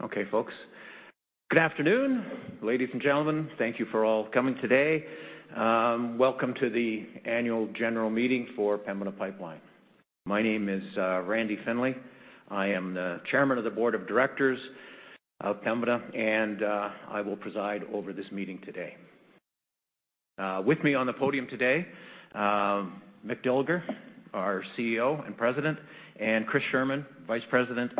Okay, folks. Good afternoon, ladies and gentlemen. Thank you for all coming today. Welcome to the annual general meeting for Pembina Pipeline. My name is Randy Findlay. I am the Chairman of the Board of Directors of Pembina, and I will preside over this meeting today. With me on the podium today, Mick Dilger, our CEO and President, and Chris Sherman, Vice President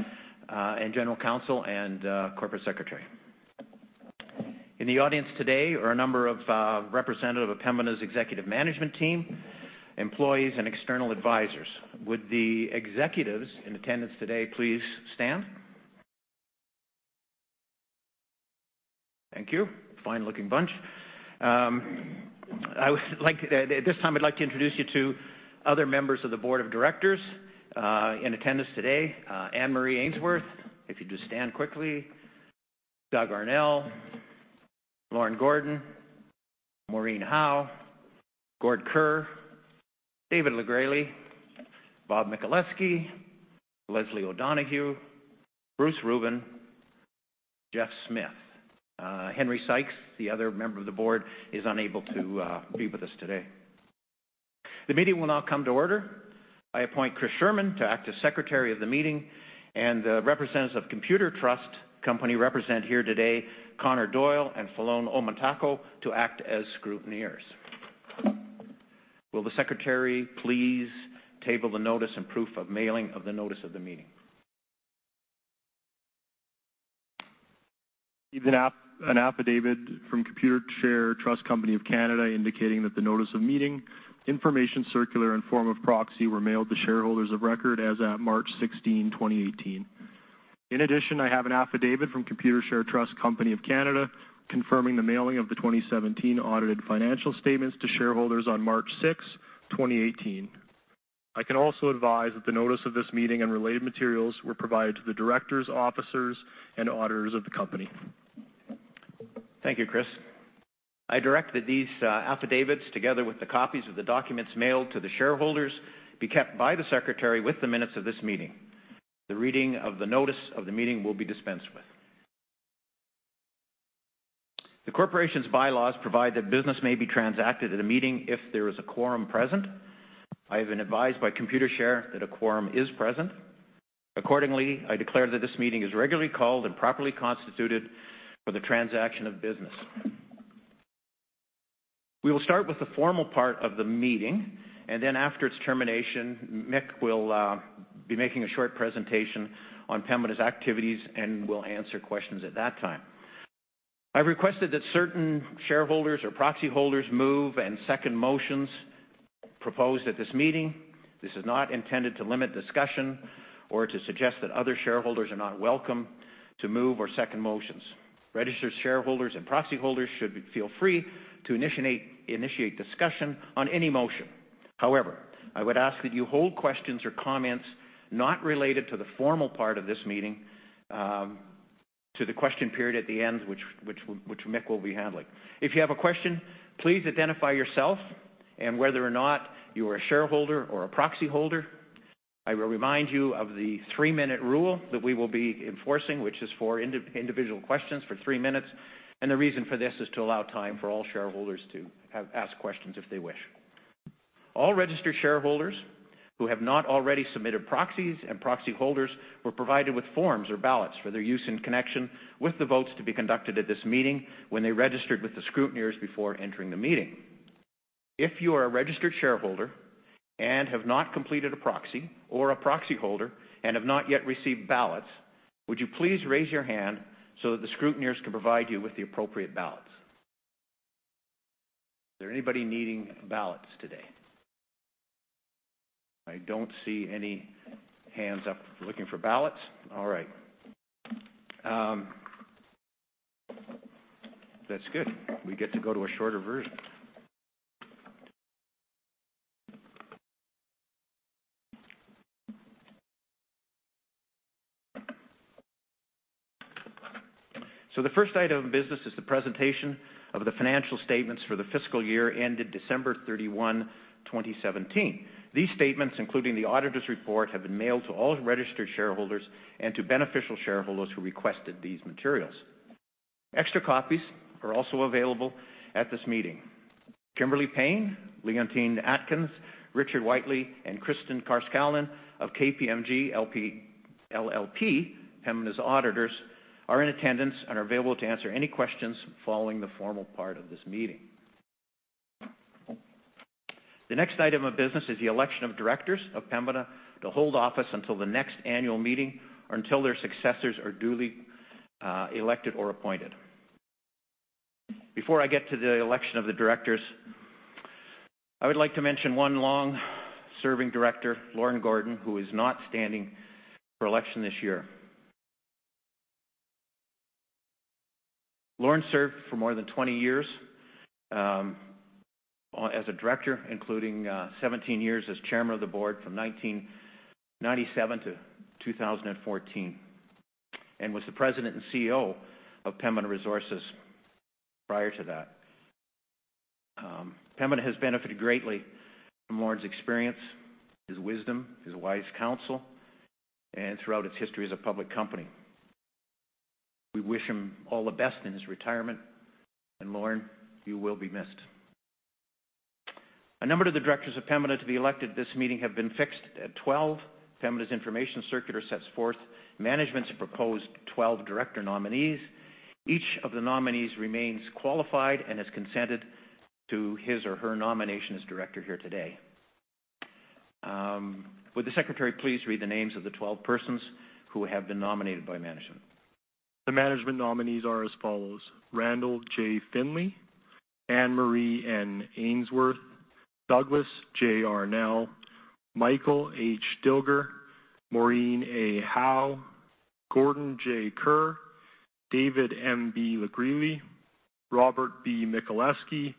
and General Counsel and Corporate Secretary. In the audience today are a number of representatives of Pembina's executive management team, employees, and external advisors. Would the executives in attendance today please stand? Thank you. Fine-looking bunch. At this time, I'd like to introduce you to other members of the board of directors in attendance today. Anne-Marie Ainsworth, if you'd just stand quickly. Doug Arnell, Lorne Gordon, Maureen Howe, Gord Kerr, David LeGresley, Bob Michaleski, Leslie O'Donoghue, Bruce Rubin, Jeff Smith. Henry Sykes, the other member of the board, is unable to be with us today. The meeting will now come to order. I appoint Chris Sherman to act as Secretary of the meeting, and the representatives of Computershare Trust Company represent here today, Conor Doyle and Falon Omotako, to act as Scrutineers. Will the Secretary please table the notice and proof of mailing of the notice of the meeting? An affidavit from Computershare Trust Company of Canada indicating that the notice of meeting, information circular, and form of proxy were mailed to shareholders of record as at March 16, 2018. In addition, I have an affidavit from Computershare Trust Company of Canada confirming the mailing of the 2017 audited financial statements to shareholders on March 6, 2018. I can also advise that the notice of this meeting and related materials were provided to the directors, officers, and auditors of the company. Thank you, Chris. I direct that these affidavits, together with the copies of the documents mailed to the shareholders, be kept by the Secretary with the minutes of this meeting. The reading of the notice of the meeting will be dispensed with. The corporation's bylaws provide that business may be transacted at a meeting if there is a quorum present. I have been advised by Computershare that a quorum is present. Accordingly, I declare that this meeting is regularly called and properly constituted for the transaction of business. We will start with the formal part of the meeting, and then after its termination, Mick will be making a short presentation on Pembina's activities, and will answer questions at that time. I've requested that certain shareholders or proxy holders move and second motions proposed at this meeting. This is not intended to limit discussion or to suggest that other shareholders are not welcome to move or second motions. Registered shareholders and proxy holders should feel free to initiate discussion on any motion. However, I would ask that you hold questions or comments not related to the formal part of this meeting to the question period at the end, which Mick will be handling. If you have a question, please identify yourself and whether or not you are a shareholder or a proxy holder. I will remind you of the three-minute rule that we will be enforcing, which is for individual questions for 3 minutes, and the reason for this is to allow time for all shareholders to ask questions if they wish. All registered shareholders who have not already submitted proxies and proxy holders were provided with forms or ballots for their use in connection with the votes to be conducted at this meeting when they registered with the scrutineers before entering the meeting. If you are a registered shareholder and have not completed a proxy or a proxy holder and have not yet received ballots, would you please raise your hand so that the scrutineers can provide you with the appropriate ballots. Is there anybody needing ballots today? I don't see any hands up looking for ballots. All right. That's good. We get to go to a shorter version. The first item of business is the presentation of the financial statements for the fiscal year ended December 31, 2017. These statements, including the auditor's report, have been mailed to all registered shareholders and to beneficial shareholders who requested these materials. Extra copies are also available at this meeting. Kimberly Payne, Leontine Atkins, Richard Whiteley, and Kristy Carscallen of KPMG LLP, Pembina's auditors, are in attendance and are available to answer any questions following the formal part of this meeting. The next item of business is the election of directors of Pembina to hold office until the next annual meeting or until their successors are duly elected or appointed. Before I get to the election of the directors, I would like to mention one long-serving director, Lorne Gordon, who is not standing for election this year. Lorne served for more than 20 years as a director, including 17 years as chairman of the board from 1997 to 2014, and was the president and CEO of Pembina Resources prior to that. Pembina has benefited greatly from Lorne's experience, his wisdom, his wise counsel, and throughout its history as a public company. We wish him all the best in his retirement, Lorne, you will be missed. A number of the directors of Pembina to be elected this meeting have been fixed at 12. Pembina's information circular sets forth management's proposed 12 director nominees. Each of the nominees remains qualified and has consented to his or her nomination as director here today. Would the secretary please read the names of the 12 persons who have been nominated by management? The management nominees are as follows: Randall J. Findlay, Anne-Marie N. Ainsworth, Douglas J. Arnell, Michael H. Dilger, Maureen E. Howe, Gordon J. Kerr, David M.B. LeGresley, Robert B. Michaleski,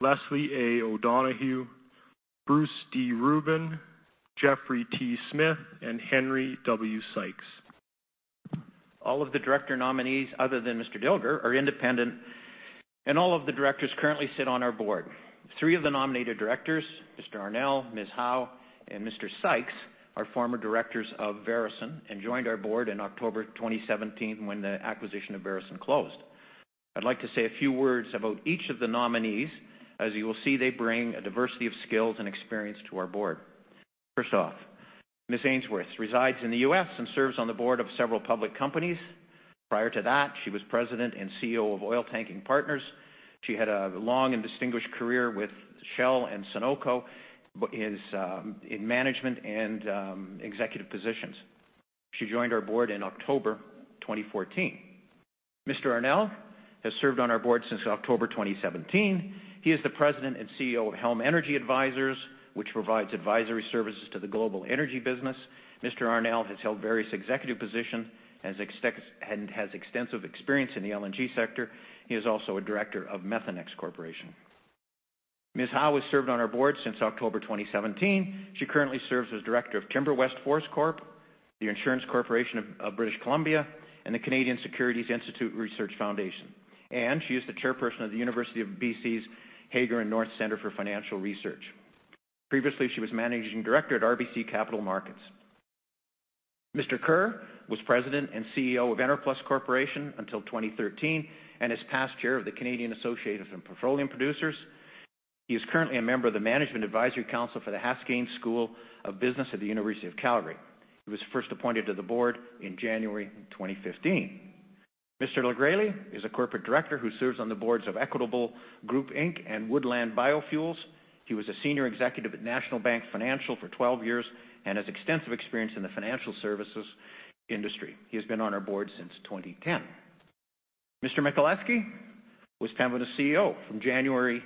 Leslie A. O'Donoghue, Bruce D. Rubin, Jeffrey T. Smith, and Henry W. Sykes. All of the director nominees other than Mr. Dilger are independent. All of the directors currently sit on our board. Three of the nominated directors, Mr. Arnell, Ms. Howe, and Mr. Sykes, are former directors of Veresen and joined our board in October 2017 when the acquisition of Veresen closed. I'd like to say a few words about each of the nominees. As you will see, they bring a diversity of skills and experience to our board. First off, Ms. Ainsworth resides in the U.S. and serves on the board of several public companies. Prior to that, she was president and CEO of Oiltanking Partners. She had a long and distinguished career with Shell and Sunoco in management and executive positions. She joined our board in October 2014. Mr. Arnell has served on our board since October 2017. He is the president and CEO of Helm Energy Advisors, which provides advisory services to the global energy business. Mr. Arnell has held various executive positions and has extensive experience in the LNG sector. He is also a director of Methanex Corporation. Ms. Howe has served on our board since October 2017. She currently serves as director of TimberWest Forest Corp., the Insurance Corporation of British Columbia, and the Canadian Securities Institute Research Foundation. She is the chairperson of the University of B.C.'s Sauder Centre for Financial Research. Previously, she was managing director at RBC Capital Markets. Mr. Kerr was president and CEO of Enerplus Corporation until 2013 and is past chair of the Canadian Association of Petroleum Producers. He is currently a member of the Management Advisory Council for the Haskayne School of Business at the University of Calgary. He was first appointed to the board in January 2015. Mr. LeGresley is a corporate director who serves on the boards of Equitable Group Inc. and Woodland Biofuels. He was a senior executive at National Bank Financial for 12 years and has extensive experience in the financial services industry. He has been on our board since 2010. Mr. Michaleski was Pembina's CEO from January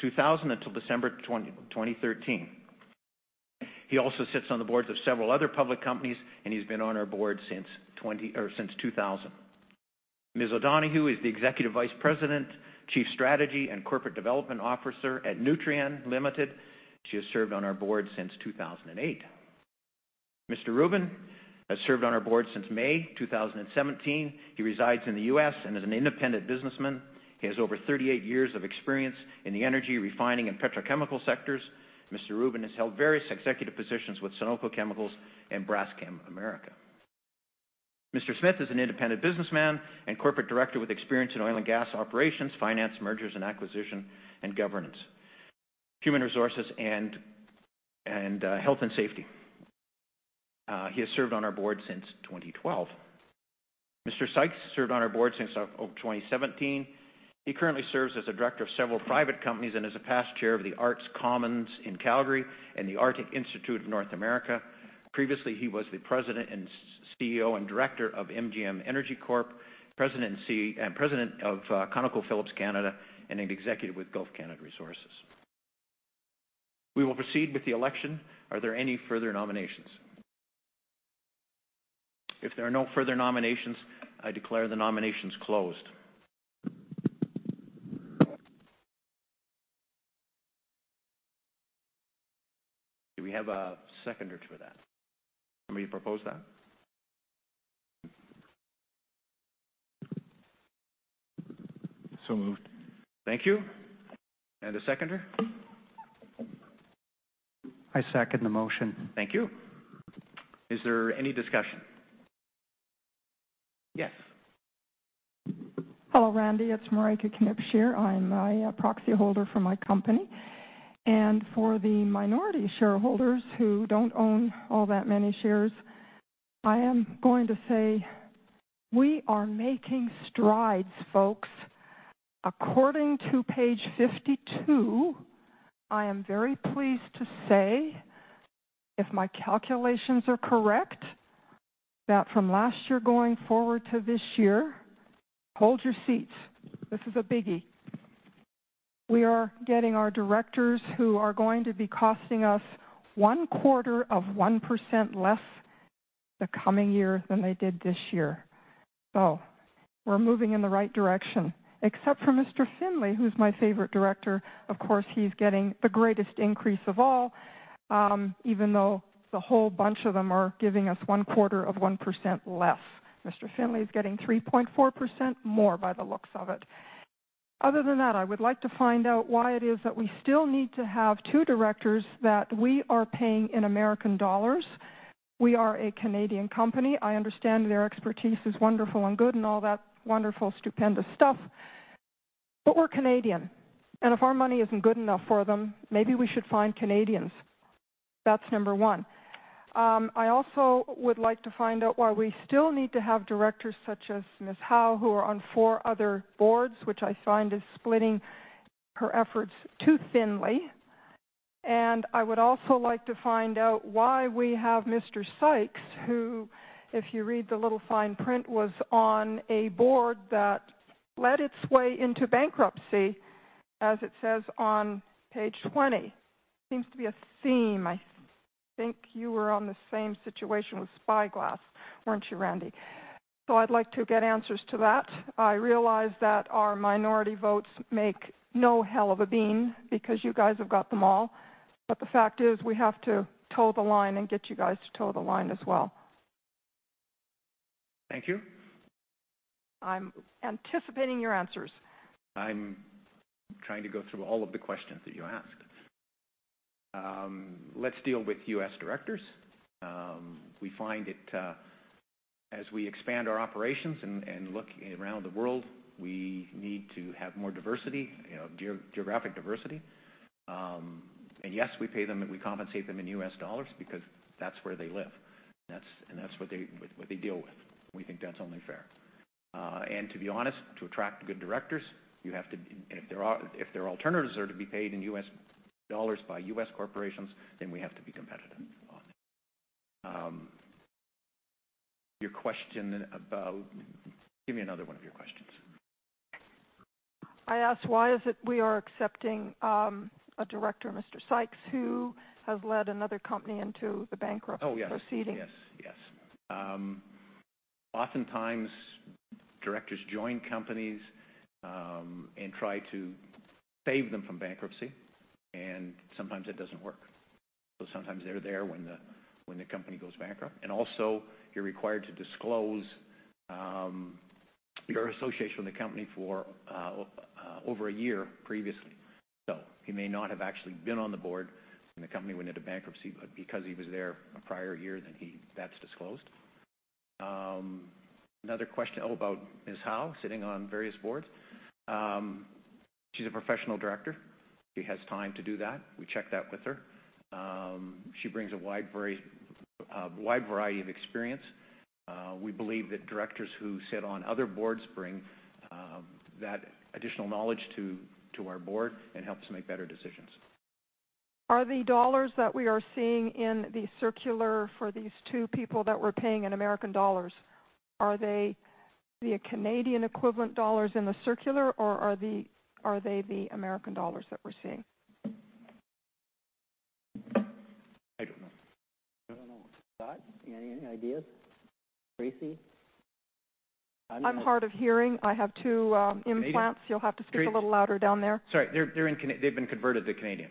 2000 until December 2013. He also sits on the boards of several other public companies. He's been on our board since 2000. Ms. O'Donoghue is the executive vice president, chief strategy, and corporate development officer at Nutrien Ltd. She has served on our board since 2008. Mr. Rubin has served on our board since May 2017. He resides in the U.S. and is an independent businessman. He has over 38 years of experience in the energy refining and petrochemical sectors. Mr. Rubin has held various executive positions with Sunoco Chemicals and Braskem America. Mr. Smith is an independent businessman and corporate director with experience in oil and gas operations, finance, mergers and acquisitions, governance, human resources, and health and safety. He has served on our board since 2012. Mr. Sykes served on our board since October 2017. He currently serves as a director of several private companies and is a past chair of the Arts Commons in Calgary and the Arctic Institute of North America. Previously, he was the President and CEO and director of MGM Energy Corp, President of ConocoPhillips Canada, and an executive with Gulf Canada Resources. We will proceed with the election. Are there any further nominations? If there are no further nominations, I declare the nominations closed. Do we have a seconder to that? Somebody propose that? Moved. Thank you. A seconder? I second the motion. Thank you. Is there any discussion? Yes. Hello, Randy. It's Marijke Knipscheer. I'm a proxy holder for my company, and for the minority shareholders who don't own all that many shares, I am going to say we are making strides, folks. According to page 52, I am very pleased to say, if my calculations are correct, that from last year going forward to this year, hold your seats. This is a biggie. We are getting our directors who are going to be costing us one-quarter of 1% less the coming year than they did this year. We're moving in the right direction. Except for Mr. Findlay, who's my favorite director. Of course, he's getting the greatest increase of all. Even though the whole bunch of them are giving us one-quarter of 1% less, Mr. Findlay is getting 3.4% more by the looks of it. Other than that, I would like to find out why it is that we still need to have two directors that we are paying in U.S. dollars. We are a Canadian company. I understand their expertise is wonderful and good and all that wonderful, stupendous stuff. We're Canadian, and if our money isn't good enough for them, maybe we should find Canadians. That's number one. I also would like to find out why we still need to have directors such as Ms. Howe, who are on four other boards, which I find is splitting her efforts too thinly. I would also like to find out why we have Mr. Sykes, who, if you read the little fine print, was on a board that led its way into bankruptcy, as it says on page 20. Seems to be a theme. I think you were on the same situation with Spyglass, weren't you, Randy? I'd like to get answers to that. I realize that our minority votes make no hell of a bean because you guys have got them all, the fact is, we have to toe the line and get you guys to toe the line as well. Thank you. I'm anticipating your answers. I'm trying to go through all of the questions that you asked. Let's deal with U.S. directors. We find that as we expand our operations and look around the world, we need to have more geographic diversity. Yes, we compensate them in U.S. dollars because that's where they live and that's what they deal with. We think that's only fair. To be honest, to attract good directors, if their alternatives are to be paid in U.S. dollars by U.S. corporations, then we have to be competitive on it. Give me another one of your questions. I asked why is it we are accepting a director, Mr. Sykes, who has led another company into the bankruptcy proceeding. Oh, yes. Oftentimes, directors join companies and try to save them from bankruptcy, and sometimes it doesn't work. Sometimes they're there when the company goes bankrupt. You're required to disclose your association with the company for over a year previously. He may not have actually been on the board when the company went into bankruptcy, but because he was there a prior year, then that's disclosed. Another question about Ms. Howe sitting on various boards. She's a professional director. She has time to do that. We checked that with her. She brings a wide variety of experience. We believe that directors who sit on other boards bring that additional knowledge to our board and helps make better decisions. Are the U.S. dollars that we are seeing in the circular for these two people that we're paying in U.S. dollars, are they the Canadian equivalent dollars in the circular, or are they the U.S. dollars that we're seeing? I don't know. Scott, any ideas? Tracy? I'm hard of hearing. I have two implants. You'll have to speak a little louder down there. Sorry. They've been converted to Canadian.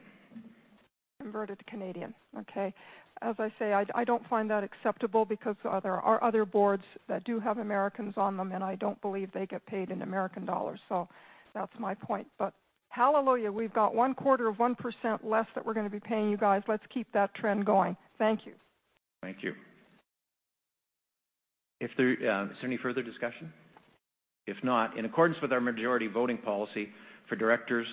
Converted to Canadian. Okay. As I say, I don't find that acceptable because there are other boards that do have Americans on them, and I don't believe they get paid in American dollars. That's my point. Hallelujah, we've got one quarter of 1% less that we're going to be paying you guys. Let's keep that trend going. Thank you. Thank you. Is there any further discussion? If not, in accordance with our majority voting policy for director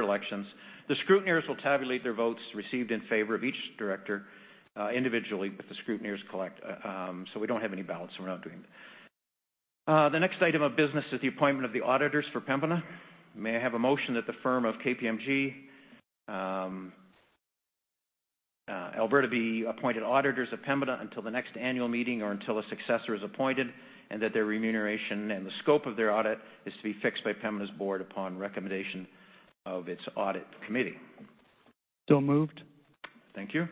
elections, the scrutineers will tabulate their votes received in favor of each director individually, but the scrutineers collect. We don't have any ballots, so we're not doing that. The next item of business is the appointment of the auditors for Pembina. May I have a motion that the firm of KPMG LLP be appointed auditors of Pembina until the next annual meeting or until a successor is appointed, and that their remuneration and the scope of their audit is to be fixed by Pembina's board upon recommendation of its audit committee. Moved. Thank you.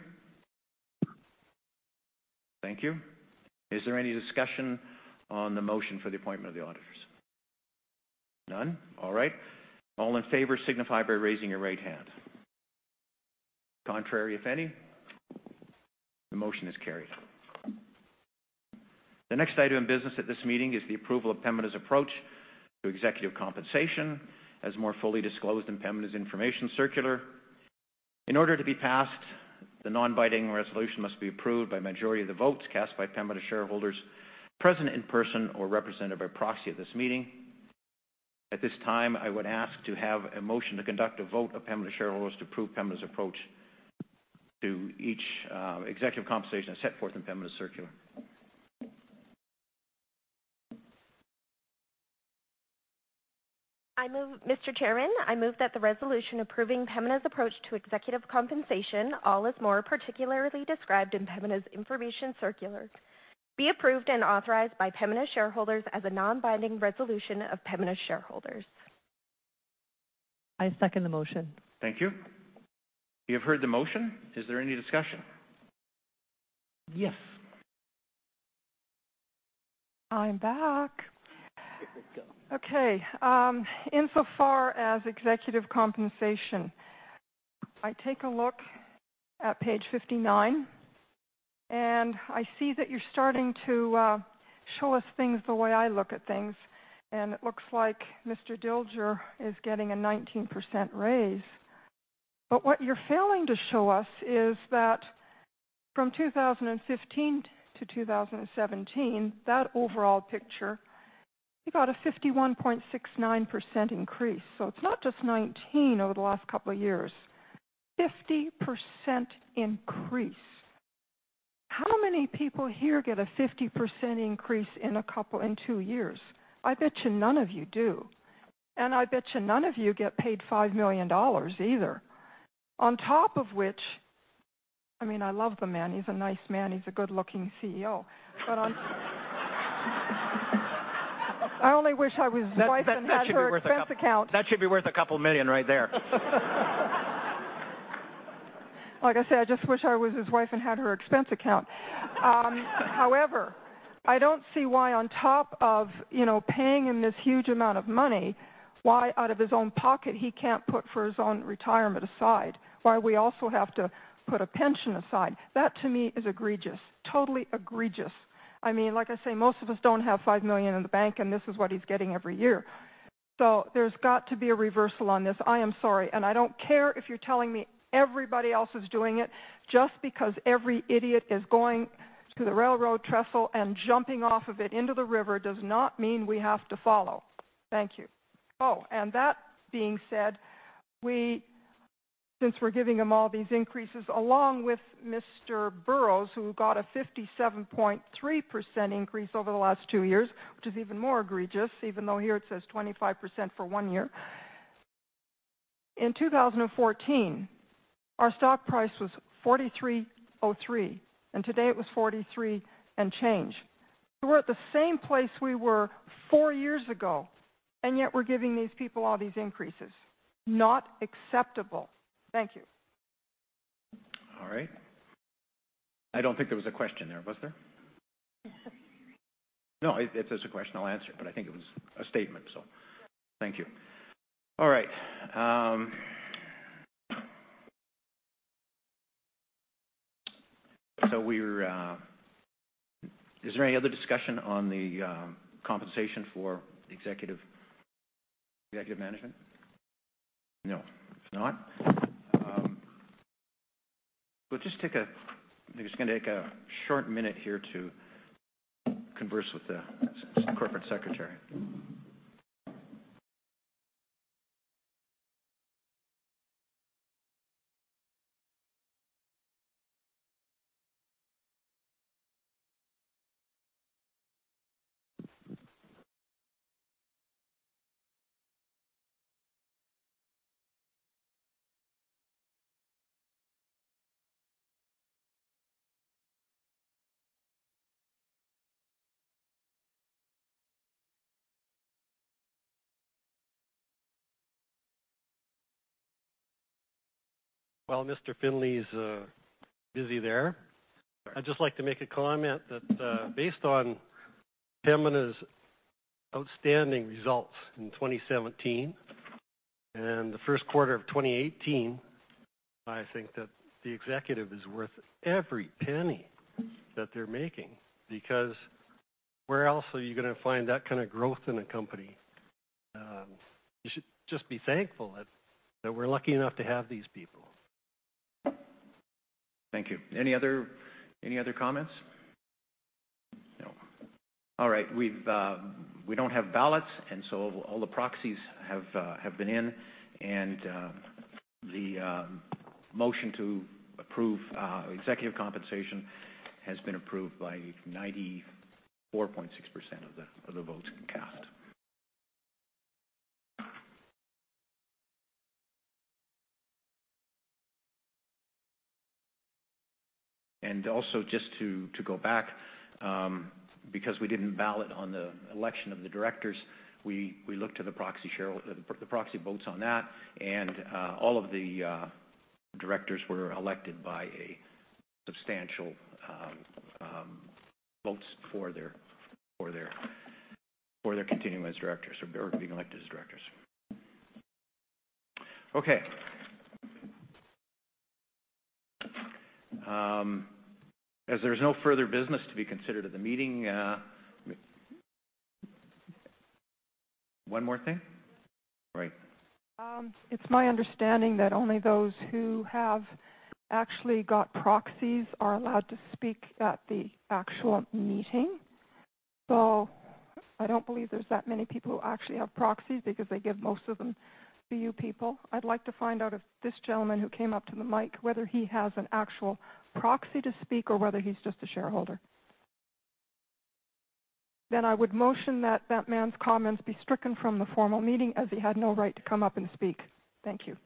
Thank you. Is there any discussion on the motion for the appointment of the auditors? None? All right. All in favor, signify by raising your right hand. Contrary, if any. The motion is carried. The next item of business at this meeting is the approval of Pembina's approach to executive compensation, as more fully disclosed in Pembina's information circular. In order to be passed, the non-binding resolution must be approved by a majority of the votes cast by Pembina shareholders present in person or represented by proxy at this meeting. At this time, I would ask to have a motion to conduct a vote of Pembina shareholders to approve Pembina's approach to each executive compensation as set forth in Pembina's circular. Mr. Chairman, I move that the resolution approving Pembina's approach to executive compensation, all as more particularly described in Pembina's information circular, be approved and authorized by Pembina shareholders as a non-binding resolution of Pembina shareholders. I second the motion. Thank you. You have heard the motion. Is there any discussion? Yes. I'm back. There you go. Okay. Insofar as executive compensation, I take a look at page 59, I see that you're starting to show us things the way I look at things, it looks like Mr. Dilger is getting a 19% raise. What you're failing to show us is that from 2015 to 2017, that overall picture, he got a 51.69% increase. It's not just 19 over the last couple of years, 50% increase. How many people here get a 50% increase in two years? I bet you none of you do, I bet you none of you get paid 5 million dollars either. On top of which, I love the man. He's a nice man. He's a good-looking CEO. I only wish I was his wife and had his expense account. That should be worth a couple million right there. Like I said, I just wish I was his wife and had her expense account. However, I don't see why on top of paying him this huge amount of money, why out of his own pocket, he can't put for his own retirement aside, why we also have to put a pension aside. That to me is egregious. Totally egregious. Like I say, most of us don't have 5 million in the bank, and this is what he's getting every year. There's got to be a reversal on this. I am sorry, and I don't care if you're telling me everybody else is doing it. Just because every idiot is going to the railroad trestle and jumping off of it into the river does not mean we have to follow. Thank you. That being said, since we're giving them all these increases, along with Scott Burrows, who got a 57.3% increase over the last 2 years, which is even more egregious, even though here it says 25% for 1 year. In 2014, our stock price was 43.03, and today it was 43 and change. We're at the same place we were 4 years ago, and yet we're giving these people all these increases. Not acceptable. Thank you. All right. I don't think there was a question there, was there? No, if there's a question, I'll answer it, but I think it was a statement, so thank you. All right. Is there any other discussion on the compensation for executive management? No. We're just going to take a short minute here to converse with the corporate secretary. While Mr. Findlay's busy there, I'd just like to make a comment that based on Pembina's outstanding results in 2017 and the first quarter of 2018, I think that the executive is worth every penny that they're making, because where else are you going to find that kind of growth in a company? You should just be thankful that we're lucky enough to have these people. Thank you. Any other comments? No. All right. We don't have ballots. All the proxies have been in, and the motion to approve executive compensation has been approved by 94.6% of the votes cast. Just to go back, because we didn't ballot on the election of the directors, we looked to the proxy votes on that, and all of the directors were elected by substantial votes for their continuing as directors or being elected as directors. As there's no further business to be considered at the meeting One more thing? Right. It's my understanding that only those who have actually got proxies are allowed to speak at the actual meeting. I don't believe there's that many people who actually have proxies because they give most of them to you people. I'd like to find out if this gentleman who came up to the mic, whether he has an actual proxy to speak or whether he's just a shareholder. I would motion that that man's comments be stricken from the formal meeting as he had no right to come up and speak. Thank you.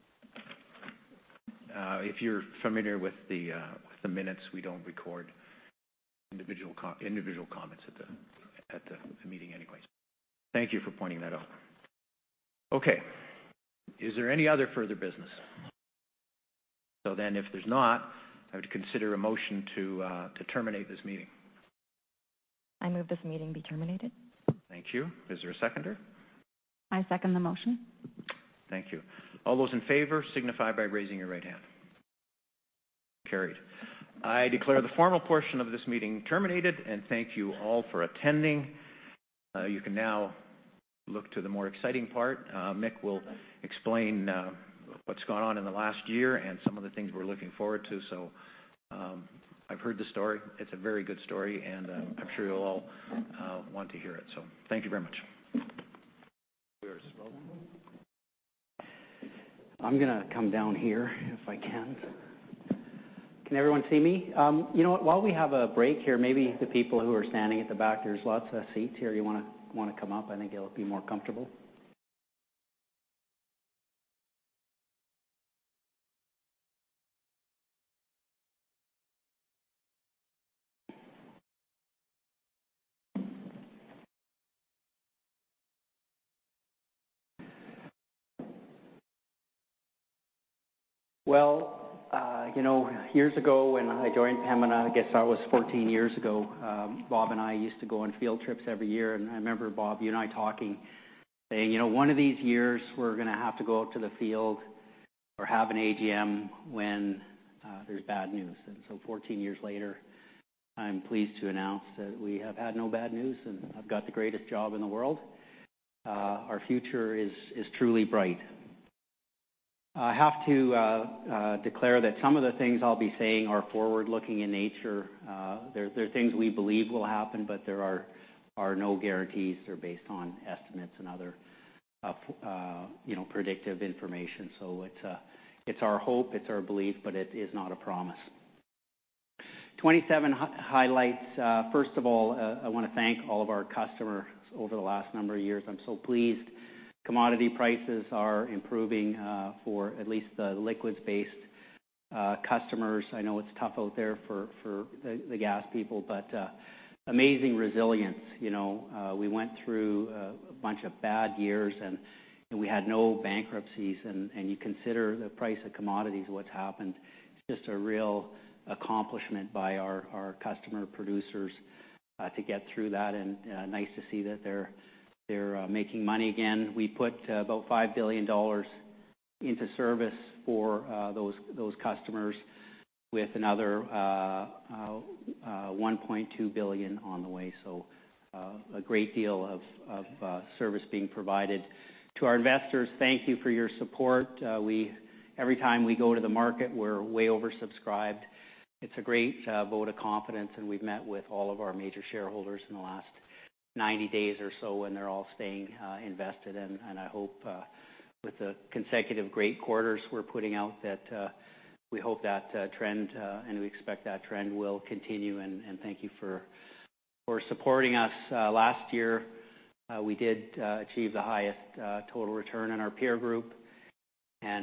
If you're familiar with the minutes, we don't record individual comments at the meeting anyways. Thank you for pointing that out. Is there any other further business? If there's not, I would consider a motion to terminate this meeting. I move this meeting be terminated. Thank you. Is there a seconder? I second the motion. Thank you. All those in favor signify by raising your right hand. Carried. I declare the formal portion of this meeting terminated, and thank you all for attending. You can now look to the more exciting part. Mick will explain what's gone on in the last year and some of the things we're looking forward to. I've heard the story. It's a very good story, and I'm sure you'll all want to hear it. Thank you very much. We are smoking. I'm going to come down here if I can. Can everyone see me? You know what, while we have a break here, maybe the people who are standing at the back, there's lots of seats here. You want to come up, I think it'll be more comfortable. Years ago when I joined Pembina, I guess that was 14 years ago, Bob and I used to go on field trips every year. I remember, Bob, you and I talking saying, "One of these years, we're going to have to go out to the field or have an AGM when there's bad news." 14 years later, I'm pleased to announce that we have had no bad news, and I've got the greatest job in the world. Our future is truly bright. I have to declare that some of the things I'll be saying are forward-looking in nature. They're things we believe will happen, but there are no guarantees. They're based on estimates and other predictive information. It's our hope, it's our belief, but it is not a promise. 27 highlights. First of all, I want to thank all of our customers over the last number of years. I'm so pleased commodity prices are improving for at least the liquids-based customers. I know it's tough out there for the gas people, amazing resilience. We went through a bunch of bad years, we had no bankruptcies. You consider the price of commodities, what's happened, it's just a real accomplishment by our customer producers to get through that, nice to see that they're making money again. We put about 5 billion dollars into service for those customers with another 1.2 billion on the way. A great deal of service being provided. To our investors, thank you for your support. Every time we go to the market, we're way oversubscribed. It's a great vote of confidence, we've met with all of our major shareholders in the last 90 days or so, they're all staying invested. I hope with the consecutive great quarters we're putting out that we hope that trend, we expect that trend will continue, thank you for supporting us. Last year, we did achieve the highest total return in our peer group,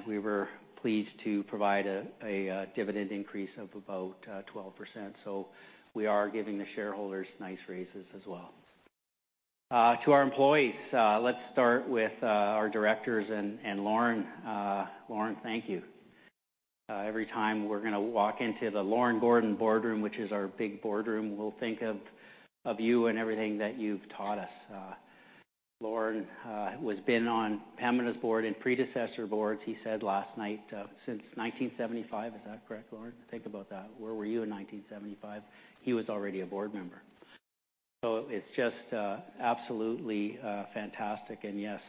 we were pleased to provide a dividend increase of about 12%. We are giving the shareholders nice raises as well. To our employees, let's start with our directors and Lorne. Lorne, thank you. Every time we're going to walk into the Lorne Gordon Boardroom, which is our big boardroom, we'll think of you and everything that you've taught us. Lorne has been on Pembina's board and predecessor boards, he said last night, since 1975. Is that correct, Lorne? Think about that. Where were you in 1975? He was already a board member. It's just absolutely fantastic. Yes,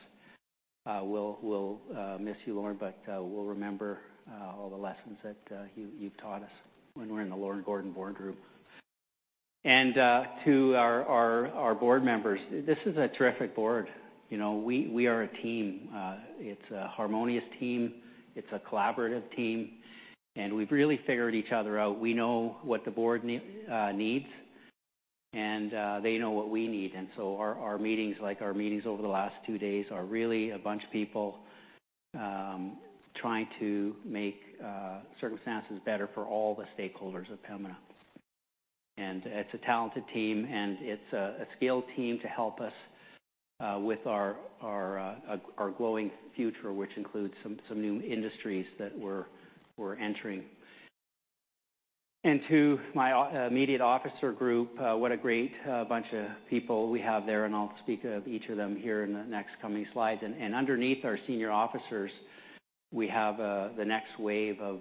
we'll miss you, Lorne, we'll remember all the lessons that you've taught us when we're in the Lorne Gordon Boardroom. To our board members, this is a terrific board. We are a team. It's a harmonious team. It's a collaborative team, we've really figured each other out. We know what the board needs, they know what we need. Our meetings, like our meetings over the last two days, are really a bunch of people trying to make circumstances better for all the stakeholders of Pembina. It's a talented team, it's a skilled team to help us with our glowing future, which includes some new industries that we're entering. To my immediate officer group, what a great bunch of people we have there. I'll speak of each of them here in the next coming slides. Underneath our senior officers, we have the next wave of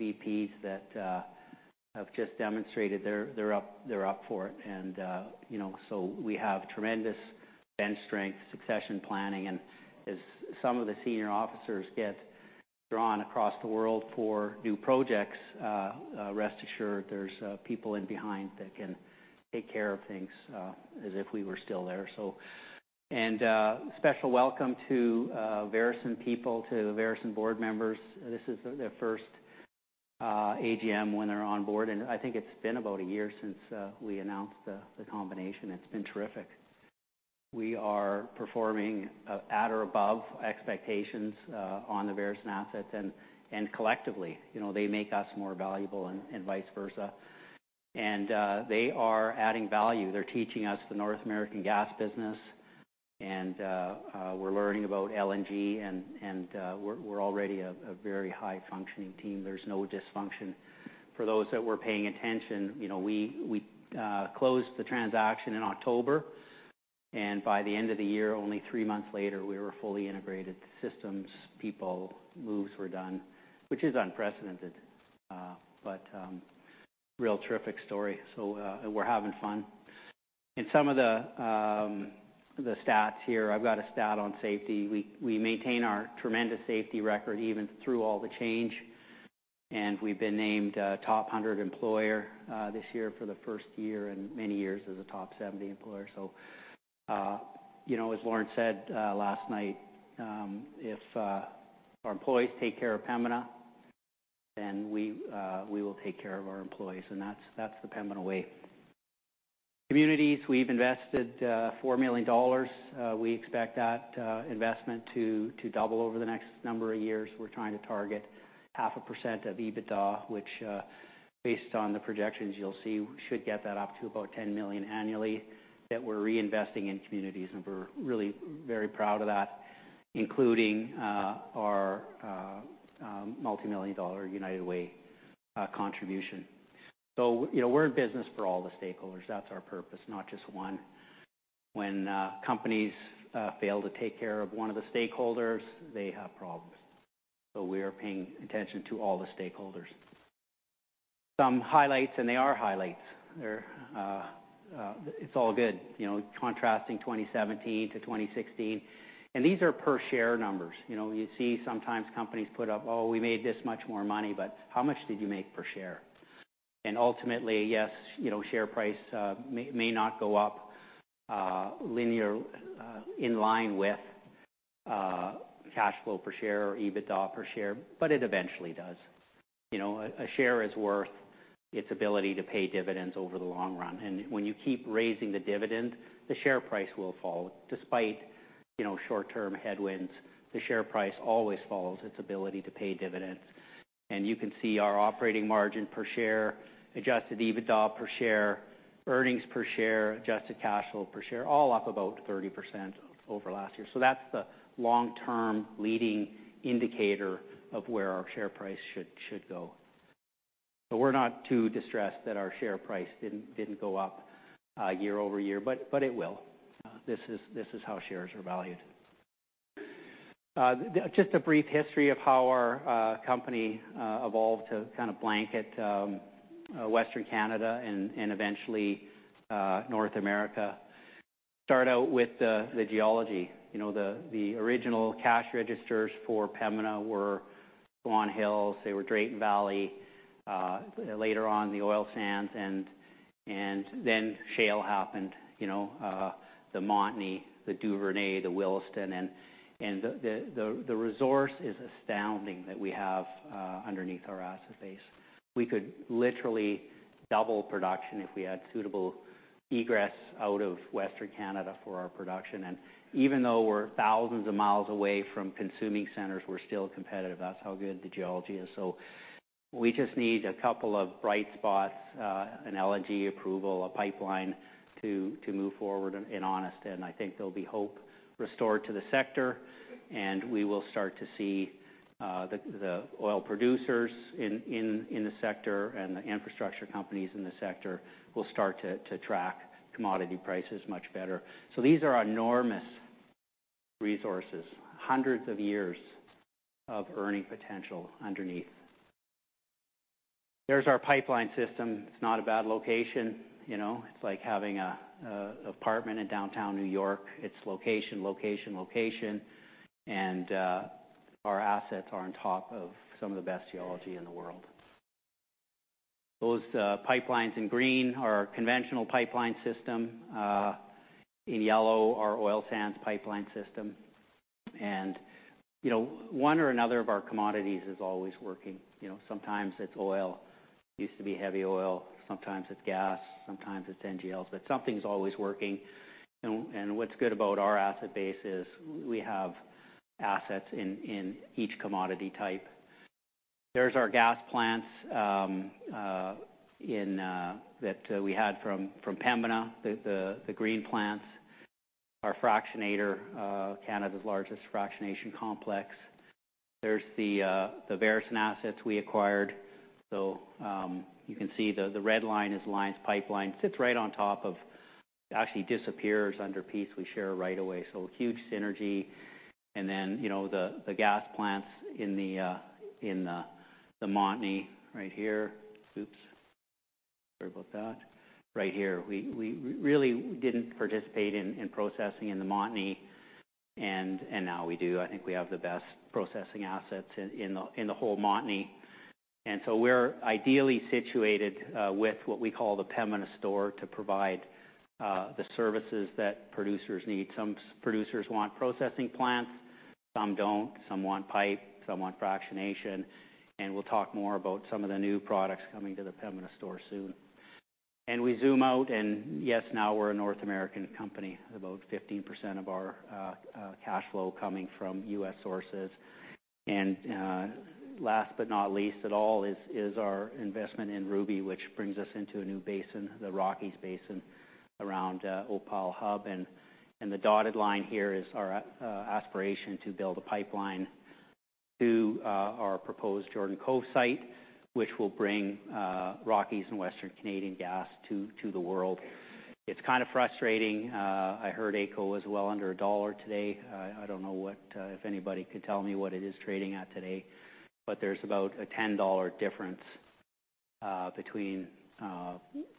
VPs that have just demonstrated they're up for it. We have tremendous bench strength, succession planning, and as some of the senior officers get drawn across the world for new projects, rest assured there's people in behind that can take care of things as if we were still there. A special welcome to Veresen people, to Veresen board members. This is their first AGM when they're on board. I think it's been about a year since we announced the combination. It's been terrific. We are performing at or above expectations on the Veresen assets and collectively. They make us more valuable and vice versa. They are adding value. They're teaching us the North American gas business. We're learning about LNG and we're already a very high-functioning team. There's no dysfunction. For those that were paying attention, we closed the transaction in October, by the end of the year, only 3 months later, we were fully integrated. The systems, people, moves were done, which is unprecedented. Real terrific story. We're having fun. In some of the stats here, I've got a stat on safety. We maintain our tremendous safety record even through all the change, and we've been named a Canada's Top 100 Employers this year for the first year in many years as a top 70 employer. As Lorne said last night, if our employees take care of Pembina, we will take care of our employees, that's the Pembina way. Communities, we've invested 4 million dollars. We expect that investment to double over the next number of years. We're trying to target half a percent of EBITDA, which, based on the projections you'll see, we should get that up to about 10 million annually that we're reinvesting in communities, and we're really very proud of that, including our multimillion-dollar United Way contribution. We're in business for all the stakeholders, that's our purpose, not just one. When companies fail to take care of one of the stakeholders, they have problems. We are paying attention to all the stakeholders. Some highlights. They are highlights. It's all good. Contrasting 2017 to 2016, and these are per share numbers. You see sometimes companies put up, "Oh, we made this much more money," but how much did you make per share? Ultimately, yes, share price may not go up in line with cash flow per share or EBITDA per share, but it eventually does. A share is worth its ability to pay dividends over the long run. When you keep raising the dividend, the share price will follow. Despite short-term headwinds, the share price always follows its ability to pay dividends. You can see our operating margin per share, adjusted EBITDA per share, earnings per share, adjusted cash flow per share, all up about 30% over last year. That's the long-term leading indicator of where our share price should go. We're not too distressed that our share price didn't go up year over year, but it will. This is how shares are valued. Just a brief history of how our company evolved to blanket Western Canada and eventually North America. Start out with the geology. The original cash registers for Pembina were Swan Hills, they were Drayton Valley. Later on, the oil sands, then shale happened. The Montney, the Duvernay, the Williston, and the resource is astounding that we have underneath our asset base. We could literally double production if we had suitable egress out of Western Canada for our production. Even though we're thousands of miles away from consuming centers, we're still competitive. That's how good the geology is. We just need a couple of bright spots, an LNG approval, a pipeline to move forward [in Honest], I think there'll be hope restored to the sector, we will start to see the oil producers in the sector and the infrastructure companies in the sector will start to track commodity prices much better. These are enormous resources, hundreds of years of earning potential underneath. There's our pipeline system. It's not a bad location. It's like having an apartment in downtown New York. It's location, location. Our assets are on top of some of the best geology in the world. Those pipelines in green are our conventional pipeline system. In yellow, our oil sands pipeline system. One or another of our commodities is always working. Sometimes it's oil. Used to be heavy oil. Sometimes it's gas, sometimes it's NGLs, but something's always working. What's good about our asset base is we have assets in each commodity type. There's our gas plants that we had from Pembina, the green plants. Our fractionator, Canada's largest fractionation complex. There's the Veresen assets we acquired. You can see the red line is Alliance Pipeline. Sits right on top of. Actually disappears under Peace. We share a right of way. Huge synergy. Then, the gas plants in the Montney right here. Oops. Sorry about that. Right here. We really didn't participate in processing in the Montney. Now we do. I think we have the best processing assets in the whole Montney. We're ideally situated with what we call the Pembina Store to provide the services that producers need. Some producers want processing plants, some don't. Some want pipe, some want fractionation. We'll talk more about some of the new products coming to the Pembina Store soon. We zoom out, yes, now we're a North American company, about 15% of our cash flow coming from U.S. sources. Last but not least at all is our investment in Ruby, which brings us into a new basin, the Rockies basin around Opal Hub. The dotted line here is our aspiration to build a pipeline to our proposed Jordan Cove site, which will bring Rockies and Western Canadian gas to the world. It's kind of frustrating. I heard AECO was well under a dollar today. I don't know if anybody could tell me what it is trading at today, but there's about a 10 dollar difference between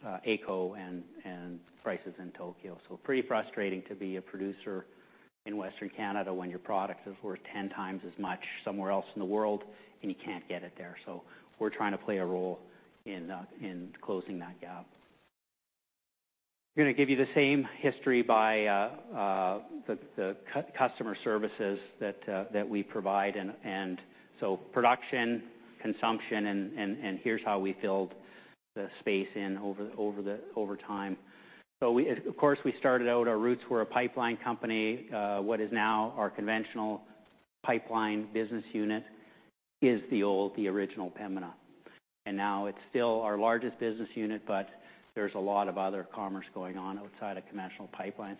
AECO and prices in Tokyo. Pretty frustrating to be a producer in Western Canada when your product is worth 10 times as much somewhere else in the world and you can't get it there. We're trying to play a role in closing that gap. I'm going to give you the same history by the customer services that we provide, production, consumption, here's how we filled the space in over time. Of course, we started out, our roots were a pipeline company. What is now our conventional pipeline business unit is the old, the original Pembina. Now it's still our largest business unit, there's a lot of other commerce going on outside of conventional pipeline.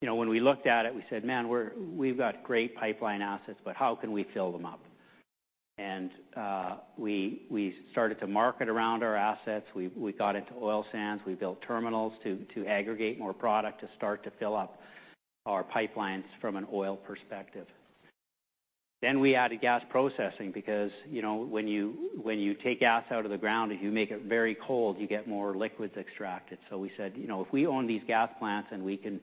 When we looked at it, we said, "Man, we've got great pipeline assets, but how can we fill them up?" We started to market around our assets. We got into oil sands. We built terminals to aggregate more product to start to fill up our pipelines from an oil perspective. We added gas processing because when you take gas out of the ground, if you make it very cold, you get more liquids extracted. We said, "If we own these gas plants and we can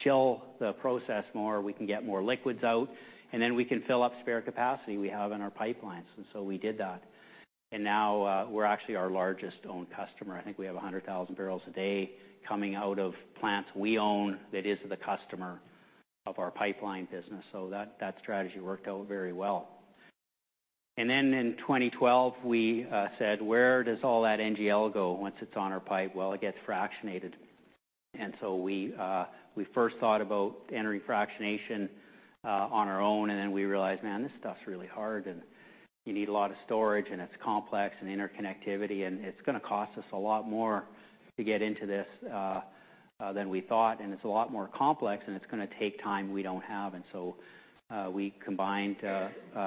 chill the process more, we can get more liquids out, we can fill up spare capacity we have in our pipelines." We did that. Now we're actually our largest owned customer. I think we have 100,000 barrels a day coming out of plants we own that is the customer of our pipeline business. That strategy worked out very well. In 2012, we said, "Where does all that NGL go once it's on our pipe? It gets fractionated." We first thought about entering fractionation on our own, then we realized, man, this stuff's really hard and you need a lot of storage and it's complex and interconnectivity, and it's going to cost us a lot more to get into this than we thought, and it's a lot more complex, and it's going to take time we don't have. We combined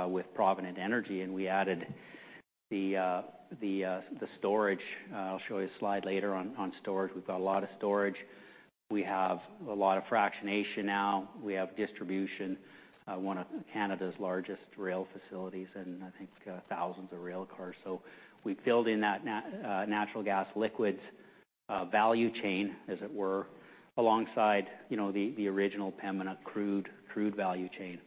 with Provident Energy, and we added the storage. I'll show you a slide later on storage. We've got a lot of storage. We have a lot of fractionation now. We have distribution, one of Canada's largest rail facilities, and I think thousands of rail cars. We filled in that natural gas liquids value chain, as it were, alongside the original Pembina crude value chain.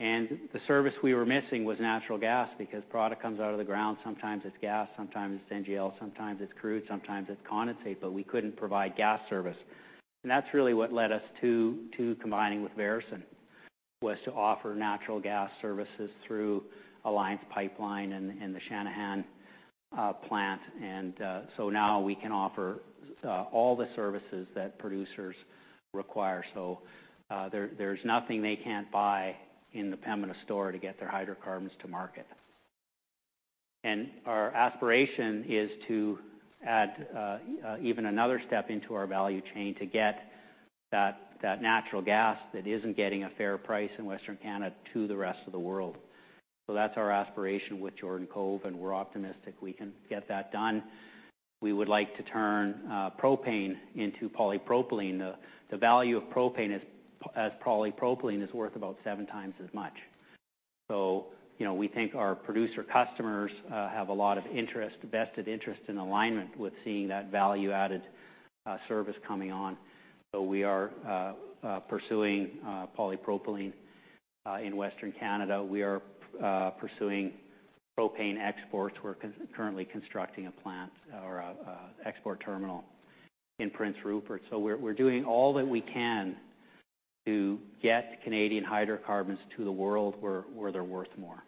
The service we were missing was natural gas because product comes out of the ground, sometimes it's gas, sometimes it's NGL, sometimes it's crude, sometimes it's condensate, we couldn't provide gas service. That's really what led us to combining with Veresen, was to offer natural gas services through Alliance Pipeline and the Channahon plant. Now we can offer all the services that producers require. There's nothing they can't buy in the Pembina Store to get their hydrocarbons to market. Our aspiration is to add even another step into our value chain to get that natural gas that isn't getting a fair price in Western Canada to the rest of the world. That's our aspiration with Jordan Cove, and we're optimistic we can get that done. We would like to turn propane into polypropylene. The value of propane as polypropylene is worth about seven times as much. We think our producer customers have a lot of vested interest and alignment with seeing that value-added service coming on. We are pursuing polypropylene in Western Canada. We are pursuing propane exports. We're currently constructing a plant or export terminal in Prince Rupert. We're doing all that we can to get Canadian hydrocarbons to the world where they're worth more.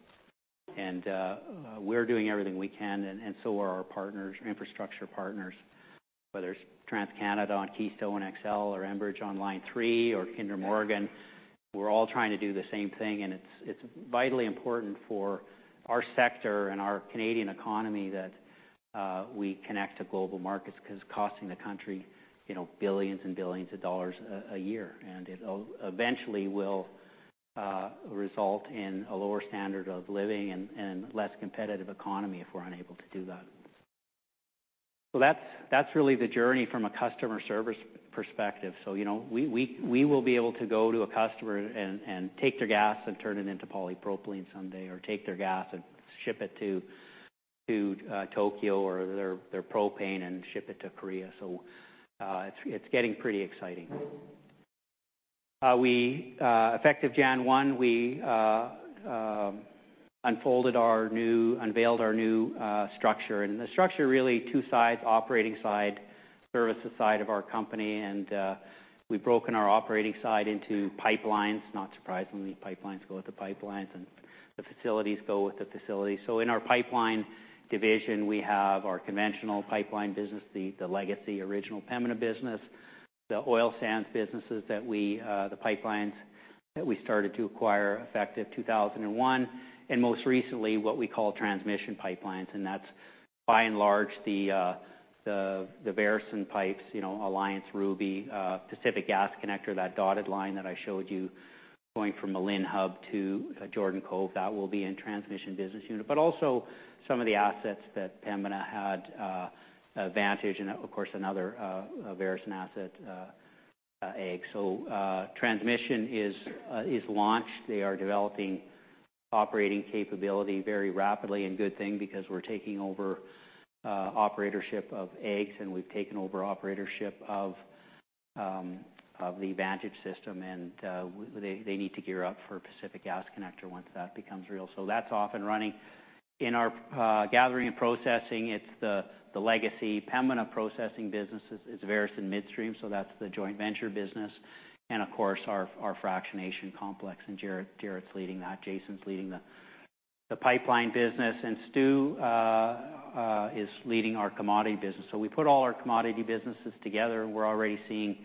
We're doing everything we can, and so are our partners, infrastructure partners, whether it's TransCanada on Keystone XL or Enbridge on Line 3 or Kinder Morgan. We're all trying to do the same thing, and it's vitally important for our sector and our Canadian economy that we connect to global markets because it's costing the country billions and billions dollars a year. It eventually will result in a lower standard of living and less competitive economy if we're unable to do that. That's really the journey from a customer service perspective. We will be able to go to a customer and take their gas and turn it into polypropylene someday, or take their gas and ship it to Tokyo or their propane and ship it to Korea. It's getting pretty exciting. Effective January 1, we unveiled our new structure, and the structure really two sides, operating side, services side of our company, and we've broken our operating side into pipelines. Not surprisingly, pipelines go with the pipelines, and the facilities go with the facilities. In our pipeline division, we have our conventional pipeline business, the legacy original Pembina business, the oil sands businesses that we started to acquire effective 2001, and most recently what we call transmission pipelines, and that's by and large the Veresen pipes, Alliance, Ruby, Pacific Connector Gas Pipeline, that dotted line that I showed you going from Malin Hub to Jordan Cove, that will be in transmission business unit. But also some of the assets that Pembina had, Vantage and of course another Veresen asset, AEGS. Transmission is launched. They are developing operating capability very rapidly and good thing because we're taking over operatorship of AEGS and we've taken over operatorship of the Vantage system, and they need to gear up for Pacific Connector Gas Pipeline once that becomes real. That's off and running. In our Gathering and Processing, it's the legacy Pembina processing businesses. It's Veresen Midstream, that's the joint venture business, and of course our Fractionation complex and Jaret's leading that. Jason's leading the Pipeline business, and Stu is leading our Commodity business. We put all our commodity businesses together and we're already seeing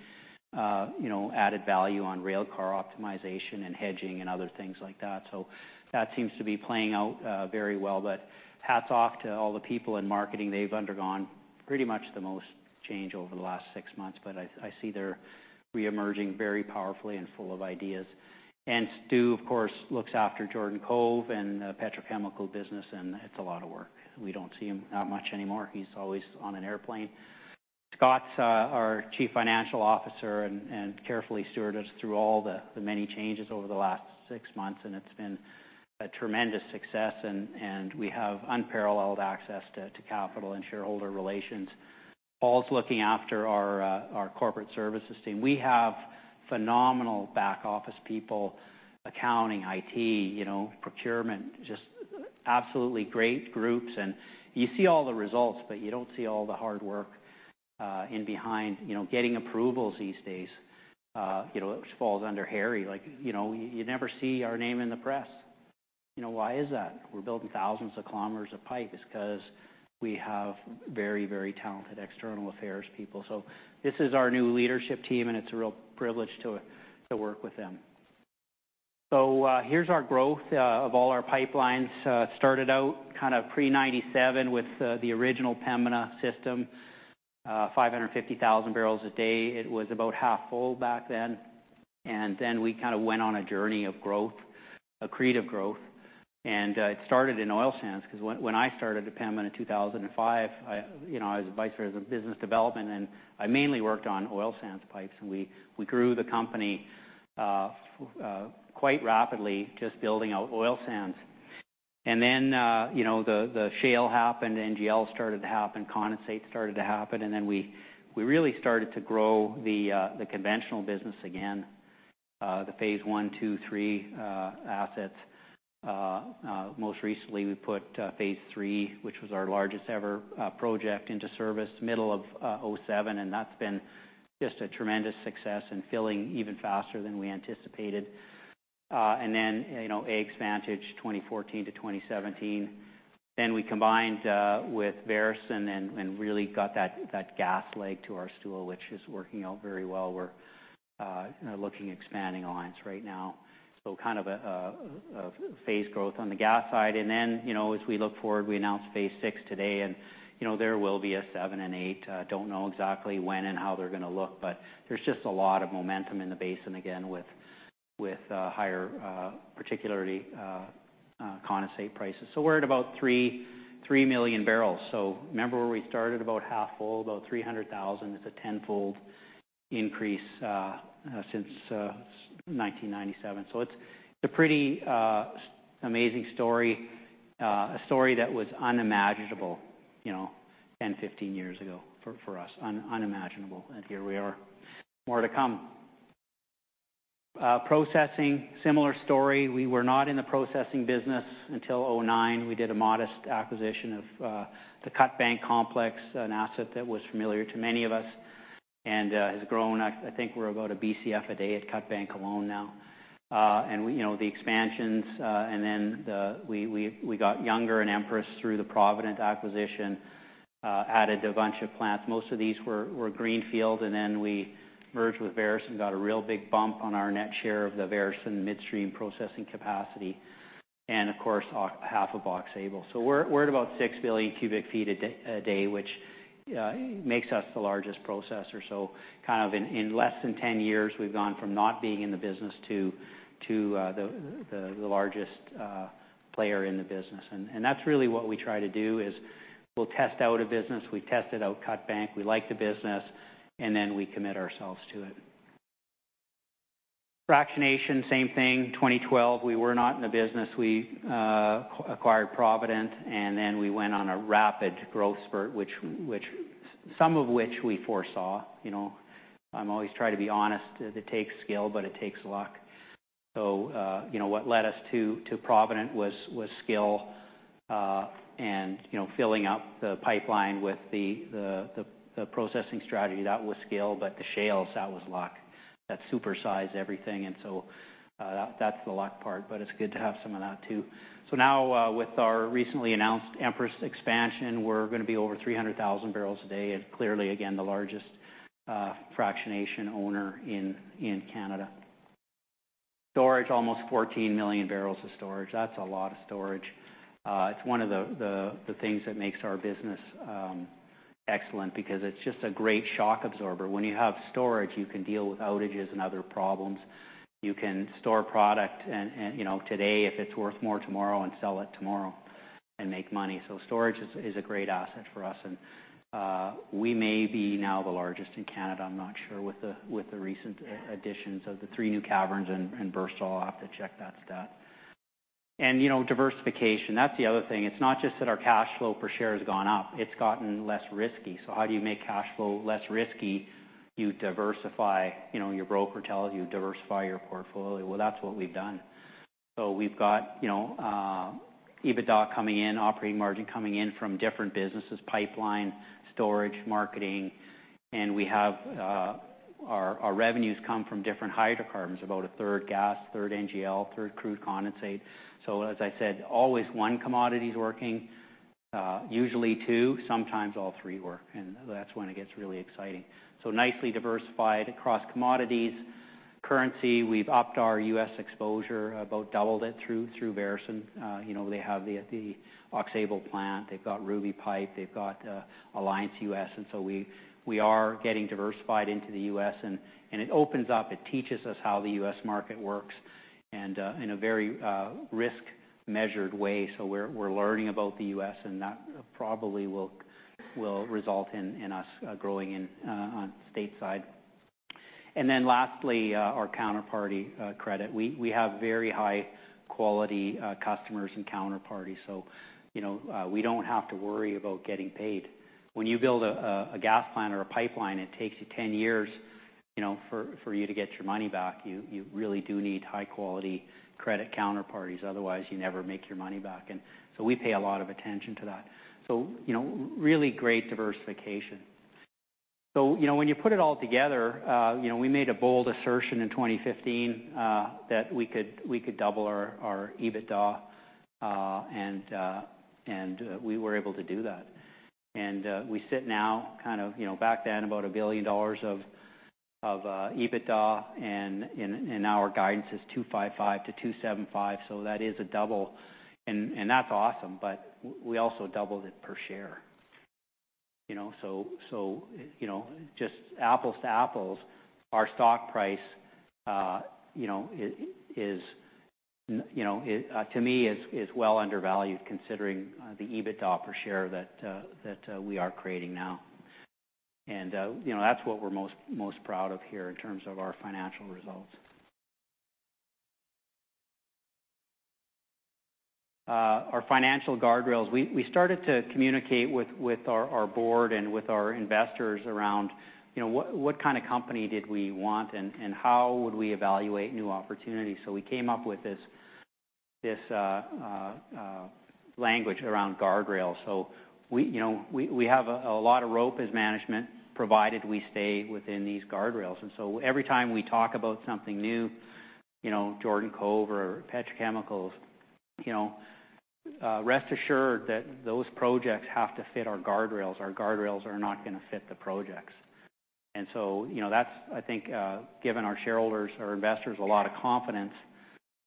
added value on railcar optimization and hedging and other things like that. That seems to be playing out very well. Hats off to all the people in marketing. They've undergone pretty much the most change over the last six months, but I see they're re-emerging very powerfully and full of ideas. Stu, of course, looks after Jordan Cove and petrochemical business, and it's a lot of work. We don't see him out much anymore. He's always on an airplane. Scott, our Chief Financial Officer, carefully stewarded us through all the many changes over the last 6 months, and it's been a tremendous success and we have unparalleled access to capital and shareholder relations. Paul is looking after our corporate services team. We have phenomenal back office people, accounting, IT, procurement, just absolutely great groups. You see all the results, but you don't see all the hard work in behind getting approvals these days which falls under Harry. You never see our name in the press. Why is that? We're building thousands of kilometers of pipe. It's because we have very talented external affairs people. This is our new leadership team, and it's a real privilege to work with them. Here's our growth of all our pipelines. Started out pre-1997 with the original Pembina system, 550,000 barrels a day. It was about half full back then. We went on a journey of growth, accretive growth, it started in oil sands, because when I started at Pembina in 2005, I was Vice President of Business Development, I mainly worked on oil sands pipes, we grew the company quite rapidly just building out oil sands. The shale happened, NGL started to happen, condensate started to happen, we really started to grow the conventional business again, the Phase 1, 2, 3 assets. Most recently, we put Phase III, which was our largest ever project into service middle of 2007, and that's been just a tremendous success and filling even faster than we anticipated. AEGS, Vantage 2014 to 2017. We combined with Veresen and really got that gas leg to our stool, which is working out very well. We're looking at expanding Alliance right now. A phased growth on the gas side. As we look forward, we announced Phase VI today, and there will be a 7 and 8. Don't know exactly when and how they're going to look, but there's just a lot of momentum in the basin again with higher, particularly condensate prices. We're at about 3 million barrels. Remember where we started about half full, about 300,000. It's a tenfold increase since 1997. It's a pretty amazing story, a story that was unimaginable 10, 15 years ago for us. Unimaginable, and here we are. More to come. Processing, similar story. We were not in the processing business until 2009. We did a modest acquisition of the Cut Bank Complex, an asset that was familiar to many of us and has grown. I think we're about a Bcf a day at Cut Bank alone now. The expansions, we got Younger and Empress through the Provident acquisition, added a bunch of plants. Most of these were greenfield, we merged with Veresen, got a real big bump on our net share of the Veresen Midstream processing capacity. Of course, half of Aux Sable. We're at about 6 billion cubic feet a day, which makes us the largest processor. In less than 10 years, we've gone from not being in the business to the largest player in the business. That's really what we try to do is we'll test out a business. We tested out Cut Bank. We like the business, and then we commit ourselves to it. Fractionation, same thing. 2012, we were not in the business. We acquired Provident, we went on a rapid growth spurt, some of which we foresaw. I always try to be honest. It takes skill, but it takes luck. What led us to Provident Energy Ltd. was skill and filling up the pipeline with the processing strategy. That was skill, but the shales, that was luck. That supersized everything, that's the luck part, but it's good to have some of that, too. Now, with our recently announced Empress expansion, we're going to be over 300,000 barrels a day and clearly, again, the largest fractionation owner in Canada. Storage, almost 14 million barrels of storage. That's a lot of storage. It's one of the things that makes our business excellent, because it's just a great shock absorber. When you have storage, you can deal with outages and other problems. You can store product today if it's worth more tomorrow and sell it tomorrow and make money. Storage is a great asset for us and we may be now the largest in Canada, I'm not sure, with the recent additions of the three new caverns in Bristol. I'll have to check that stat. Diversification, that's the other thing. It's not just that our cash flow per share has gone up, it's gotten less risky. How do you make cash flow less risky? You diversify. Your broker tells you diversify your portfolio. That's what we've done. We've got EBITDA coming in, operating margin coming in from different businesses, pipeline, storage, marketing, and our revenues come from different hydrocarbons, about a third gas, a third NGL, a third crude condensate. As I said, always one commodity's working, usually two, sometimes all three work, that's when it gets really exciting. Nicely diversified across commodities. Currency, we've upped our U.S. exposure, about doubled it through Veresen. They have the Oxbow plant, they've got Ruby Pipe, they've got Alliance U.S., we are getting diversified into the U.S. and it opens up, it teaches us how the U.S. market works and in a very risk-measured way. We're learning about the U.S., that probably will result in us growing on the state side. Lastly, our counterparty credit. We have very high-quality customers and counterparties, we don't have to worry about getting paid. When you build a gas plant or a pipeline, it takes you 10 years for you to get your money back. You really do need high-quality credit counterparties, otherwise you never make your money back. We pay a lot of attention to that. Really great diversification. When you put it all together, we made a bold assertion in 2015 that we could double our EBITDA, we were able to do that. We sit now Back then, about 1 billion dollars of EBITDA, our guidance is 2.55 billion to 2.75 billion, that is a double. That's awesome, but we also doubled it per share. Just apples to apples, our stock price to me is well undervalued considering the EBITDA per share that we are creating now. That's what we're most proud of here in terms of our financial results. Our financial guardrails. We started to communicate with our board and with our investors around what kind of company did we want and how would we evaluate new opportunities. We came up with this language around guardrails. We have a lot of rope as management, provided we stay within these guardrails. Every time we talk about something new, Jordan Cove or petrochemicals, rest assured that those projects have to fit our guardrails. Our guardrails are not going to fit the projects. That, I think, gives our shareholders or investors a lot of confidence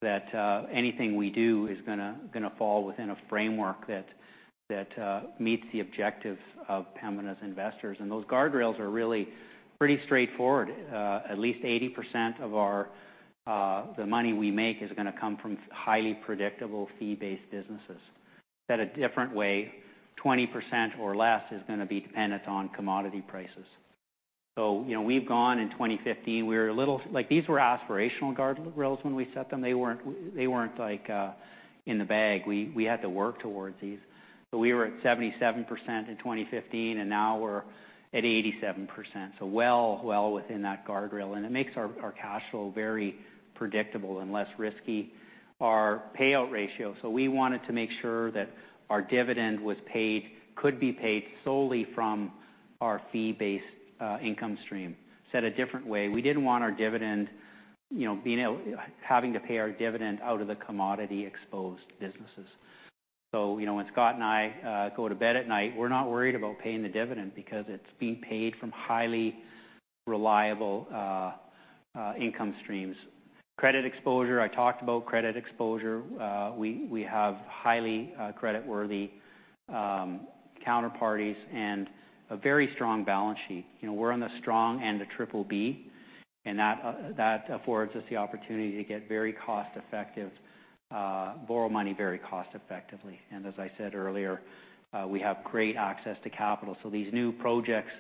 that anything we do is going to fall within a framework that meets the objectives of Pembina's investors. Those guardrails are really pretty straightforward. At least 80% of the money we make is going to come from highly predictable fee-based businesses. Said a different way, 20% or less is going to be dependent on commodity prices. We've gone in 2015. These were aspirational guardrails when we set them. They weren't in the bag. We had to work towards these. We were at 77% in 2015, and now we're at 87%, so well within that guardrail. It makes our cash flow very predictable and less risky. Our payout ratio. We wanted to make sure that our dividend could be paid solely from our fee-based income stream. Said a different way, we didn't want having to pay our dividend out of the commodity-exposed businesses. When Scott and I go to bed at night, we're not worried about paying the dividend because it's being paid from highly reliable income streams. Credit exposure. I talked about credit exposure. We have highly creditworthy counterparties and a very strong balance sheet. We're on strong triple B, that affords us the opportunity to borrow money very cost-effectively. As I said earlier, we have great access to capital. These new projects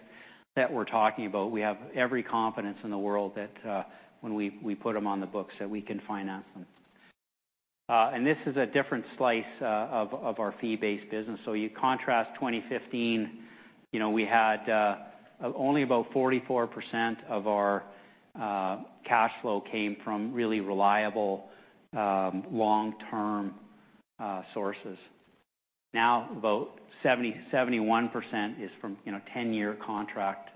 that we're talking about, we have every confidence in the world that when we put them on the books that we can finance them. This is a different slice of our fee-based business. You contrast 2015, we had only about 44% of our cash flow came from really reliable long-term sources. Now, about 71% is from 10-year contracts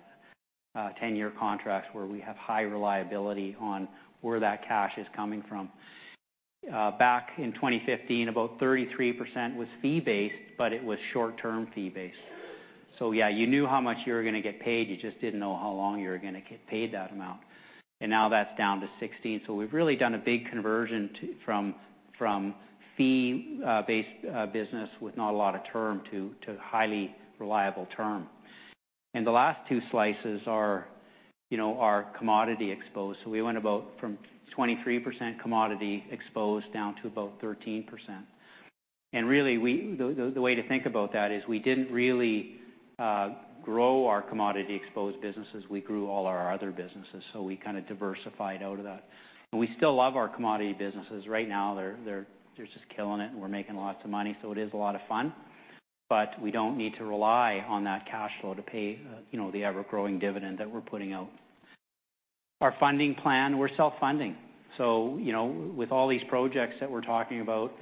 where we have high reliability on where that cash is coming from. Back in 2015, about 33% was fee-based, but it was short-term fee-based. Yeah, you knew how much you were going to get paid, you just didn't know how long you were going to get paid that amount. Now that's down to 16. We've really done a big conversion from fee-based business with not a lot of term to highly reliable term. The last two slices are commodity exposed. We went about from 23% commodity exposed down to about 13%. Really, the way to think about that is we didn't really grow our commodity-exposed businesses. We grew all our other businesses. We diversified out of that. We still love our commodity businesses. Right now, they're just killing it and we're making lots of money, so it is a lot of fun, but we don't need to rely on that cash flow to pay the ever-growing dividend that we're putting out. Our funding plan, we're self-funding. With all these projects that we're talking about,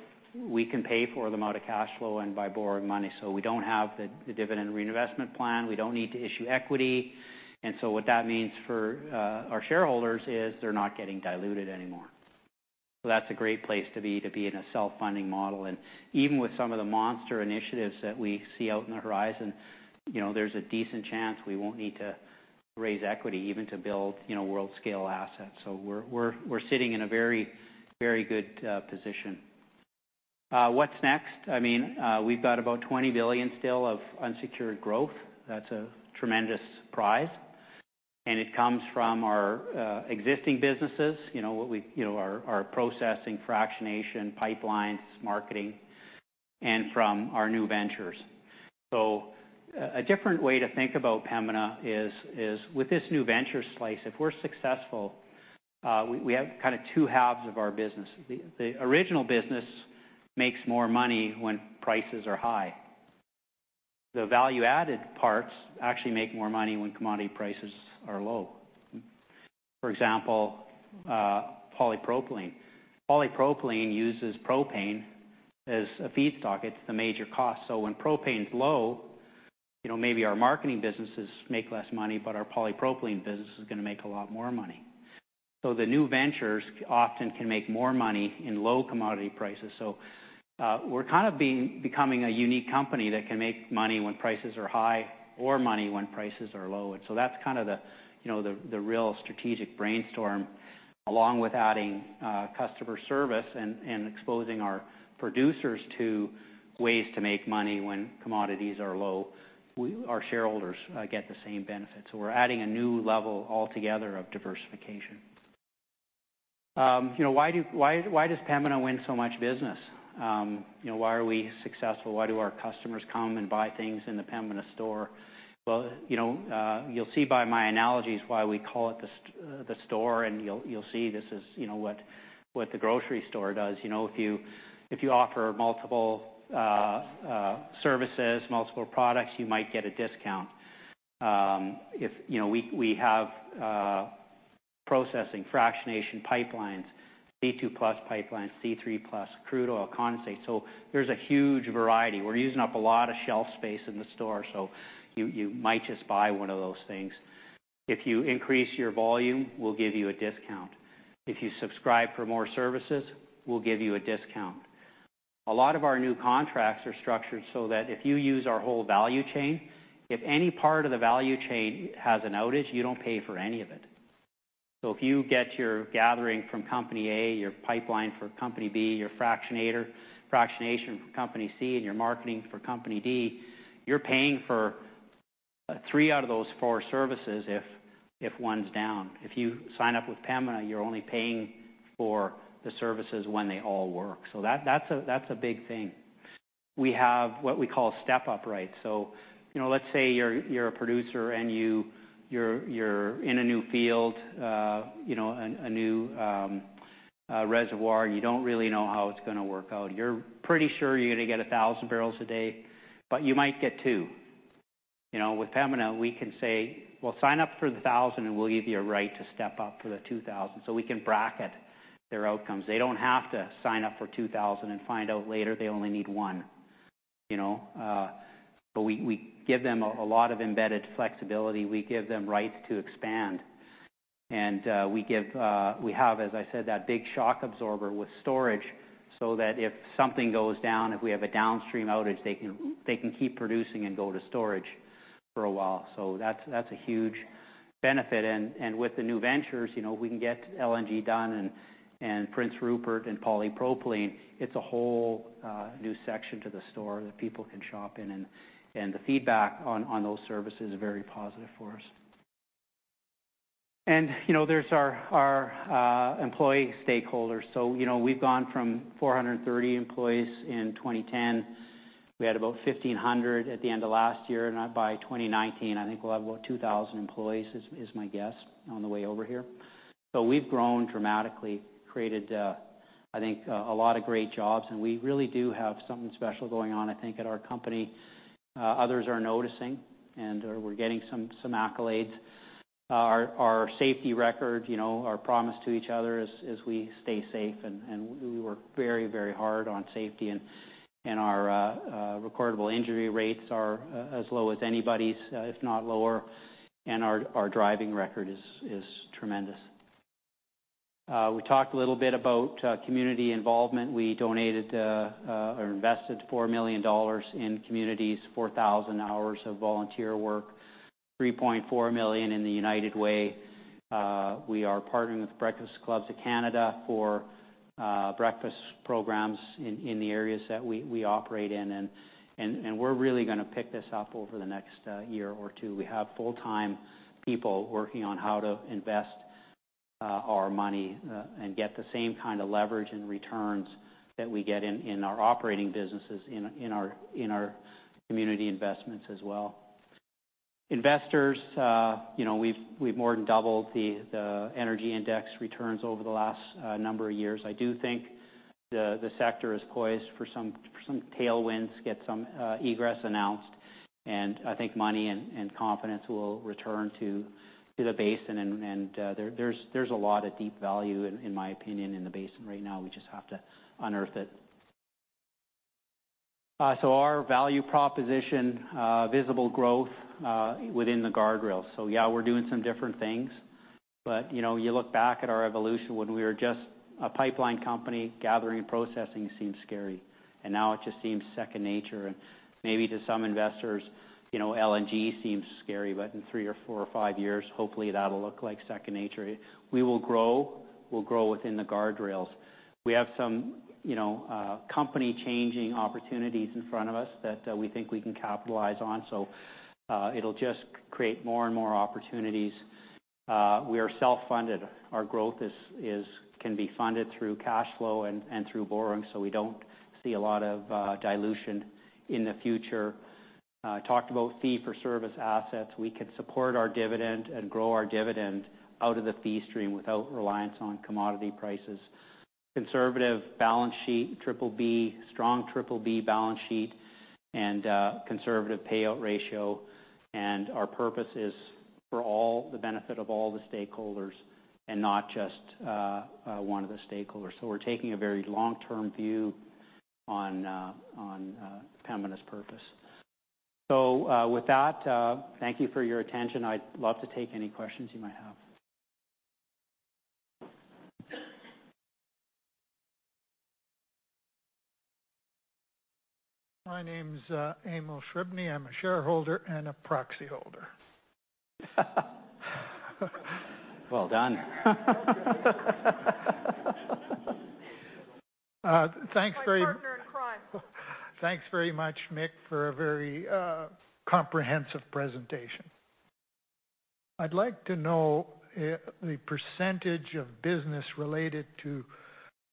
we can pay for them out of cash flow and by borrowing money. We don't have the dividend reinvestment plan. We don't need to issue equity. What that means for our shareholders is they're not getting diluted anymore. That's a great place to be, to be in a self-funding model. Even with some of the monster initiatives that we see out in the horizon, there's a decent chance we won't need to raise equity even to build world-scale assets. We're sitting in a very good position. What's next? We've got about 20 billion still of unsecured growth. That's a tremendous prize. It comes from our existing businesses, our processing, fractionation, pipelines, marketing, and from our new ventures. A different way to think about Pembina is with this new venture slice, if we're successful, we have two halves of our business. The original business makes more money when prices are high. The value-added parts actually make more money when commodity prices are low. For example, polypropylene. polypropylene uses propane as a feedstock. It's the major cost. When propane's low, maybe our marketing businesses make less money, but our polypropylene business is going to make a lot more money. The new ventures often can make more money in low commodity prices. We're becoming a unique company that can make money when prices are high or money when prices are low. That's the real strategic brainstorm along with adding customer service and exposing our producers to ways to make money when commodities are low. Our shareholders get the same benefits. We're adding a new level altogether of diversification. Why does Pembina win so much business? Why are we successful? Why do our customers come and buy things in the Pembina Store? Well, you'll see by my analogies why we call it the Store, and you'll see this is what the grocery store does. If you offer multiple services, multiple products, you might get a discount. We have processing, fractionation, pipelines, C2+ pipelines, C3+ crude oil, condensate. There's a huge variety. We're using up a lot of shelf space in the Store, so you might just buy one of those things. If you increase your volume, we'll give you a discount. If you subscribe for more services, we'll give you a discount. A lot of our new contracts are structured so that if you use our whole value chain, if any part of the value chain has an outage, you don't pay for any of it. If you get your gathering from company A, your pipeline from company B, your fractionation from company C, and your marketing from company D, you're paying for three out of those four services if one's down. If you sign up with Pembina, you're only paying for the services when they all work. That's a big thing. We have what we call step-up rights. Let's say you're a producer and you're in a new field, a new reservoir. You don't really know how it's going to work out. You're pretty sure you're going to get 1,000 barrels a day, but you might get two. With Pembina, we can say, "Well, sign up for the 1,000 and we'll give you a right to step up for the 2,000" so we can bracket their outcomes. They don't have to sign up for 2,000 and find out later they only need one. We give them a lot of embedded flexibility. We give them rights to expand. We have, as I said, that big shock absorber with storage so that if something goes down, if we have a downstream outage, they can keep producing and go to storage for a while. That's a huge benefit. With the new ventures, we can get LNG done and Prince Rupert and polypropylene. It's a whole new section to the store that people can shop in, and the feedback on those services is very positive for us. There's our employee stakeholders. We've gone from 430 employees in 2010. We had about 1,500 at the end of last year. By 2019, I think we will have about 2,000 employees is my guess on the way over here. We've grown dramatically, created, I think, a lot of great jobs, and we really do have something special going on, I think, at our company. Others are noticing, and we are getting some accolades. Our safety record, our promise to each other is we stay safe, and we work very hard on safety. Our recordable injury rates are as low as anybody's, if not lower. Our driving record is tremendous. We talked a little bit about community involvement. We donated or invested 4 million dollars in communities, 4,000 hours of volunteer work, 3.4 million in the Breakfast Club of Canada. We are partnering with Breakfast Club of Canada for breakfast programs in the areas that we operate in. We are really going to pick this up over the next year or two. We have full-time people working on how to invest our money and get the same kind of leverage and returns that we get in our operating businesses, in our community investments as well. Investors, we've more than doubled the energy index returns over the last number of years. I do think the sector is poised for some tailwinds, get some egress announced. I think money and confidence will return to the basin, and there's a lot of deep value, in my opinion, in the basin right now. We just have to unearth it. Our value proposition, visible growth within the guardrails. Yeah, we are doing some different things. You look back at our evolution when we were just a pipeline company, gathering, processing seemed scary. Now it just seems second nature. Maybe to some investors, LNG seems scary, but in three or four or five years, hopefully that will look like second nature. We will grow. We will grow within the guardrails. We have some company changing opportunities in front of us that we think we can capitalize on. It will just create more and more opportunities. We are self-funded. Our growth can be funded through cash flow and through borrowing, we do not see a lot of dilution in the future. Talked about fee for service assets. We could support our dividend and grow our dividend out of the fee stream without reliance on commodity prices. Conservative balance sheet, triple B, strong triple B balance sheet, and conservative payout ratio. Our purpose is for all the benefit of all the stakeholders and not just one of the stakeholders. We are taking a very long-term view on Pembina's purpose. With that, thank you for your attention. I would love to take any questions you might have. My name's Emil Shribney. I'm a shareholder and a proxy holder. Well done. Thanks. My partner in crime. Thanks very much, Mick, for a very comprehensive presentation. I'd like to know the percentage of business related to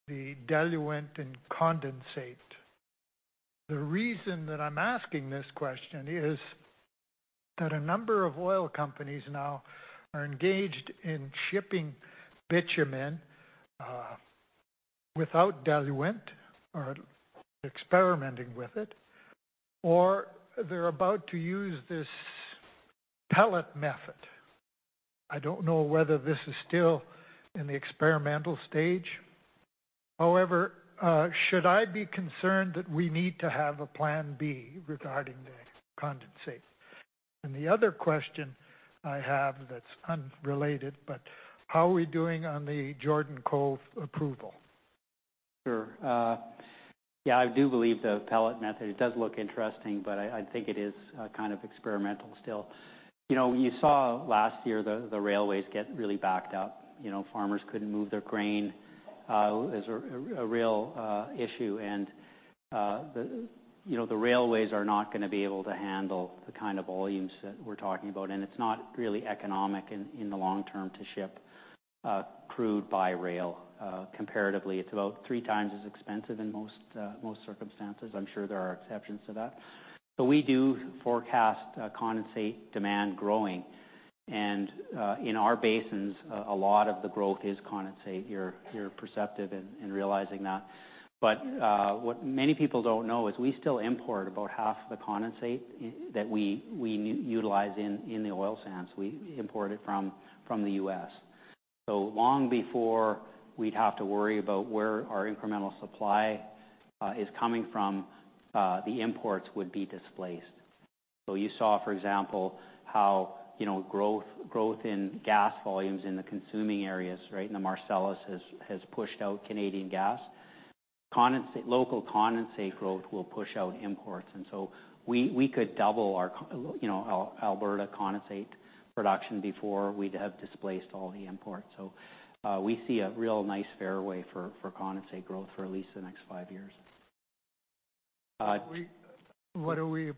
the diluent and condensate. The reason that I'm asking this question is that a number of oil companies now are engaged in shipping bitumen without diluent or experimenting with it, or they're about to use this pellet method. I don't know whether this is still in the experimental stage. However, should I be concerned that we need to have a plan B regarding the condensate? The other question I have that's unrelated, how are we doing on the Jordan Cove approval? Sure. Yeah, I do believe the pellet method, it does look interesting, I think it is experimental still. You saw last year the railways get really backed up. Farmers couldn't move their grain. It was a real issue the railways are not going to be able to handle the kind of volumes that we're talking about, it's not really economic in the long term to ship crude by rail. Comparatively, it's about three times as expensive in most circumstances. I'm sure there are exceptions to that. We do forecast condensate demand growing. In our basins, a lot of the growth is condensate. You're perceptive in realizing that. What many people don't know is we still import about half the condensate that we utilize in the oil sands. We import it from the U.S. Long before we'd have to worry about where our incremental supply is coming from, the imports would be displaced. You saw, for example, how growth in gas volumes in the consuming areas, right, in the Marcellus, has pushed out Canadian gas. Local condensate growth will push out imports. We could double our Alberta condensate production before we'd have displaced all the imports. We see a real nice fairway for condensate growth for at least the next five years. What are we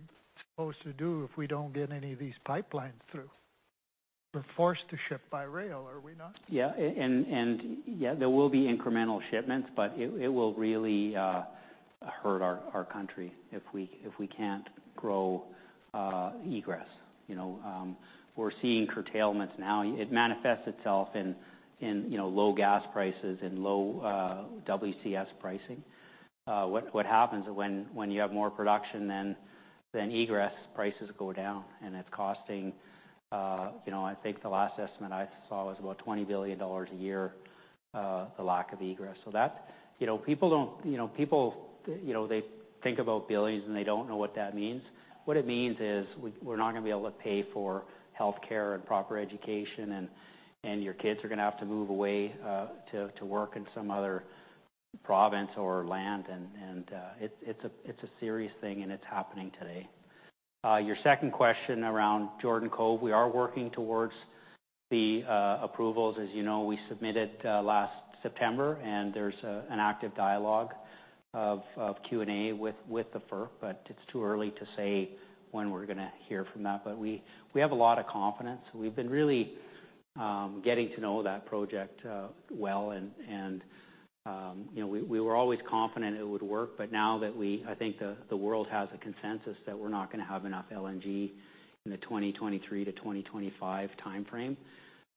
supposed to do if we don't get any of these pipelines through? We're forced to ship by rail, are we not? Yeah. There will be incremental shipments, but it will really hurt our country if we can't grow egress. We're seeing curtailments now. It manifests itself in low gas prices and low WCS pricing. What happens when you have more production than egress, prices go down and it's costing, I think the last estimate I saw was about 20 billion dollars a year. The lack of egress. People, they think about billions and they don't know what that means. What it means is we're not going to be able to pay for healthcare and proper education and your kids are going to have to move away to work in some other province or land. It's a serious thing, and it's happening today. Your second question around Jordan Cove, we are working towards the approvals. As you know, we submitted last September and there's an active dialogue of Q&A with the FERC, but it's too early to say when we're going to hear from that. We have a lot of confidence. We've been really getting to know that project well and we were always confident it would work, but now that I think the world has a consensus that we're not going to have enough LNG in the 2023 to 2025 timeframe,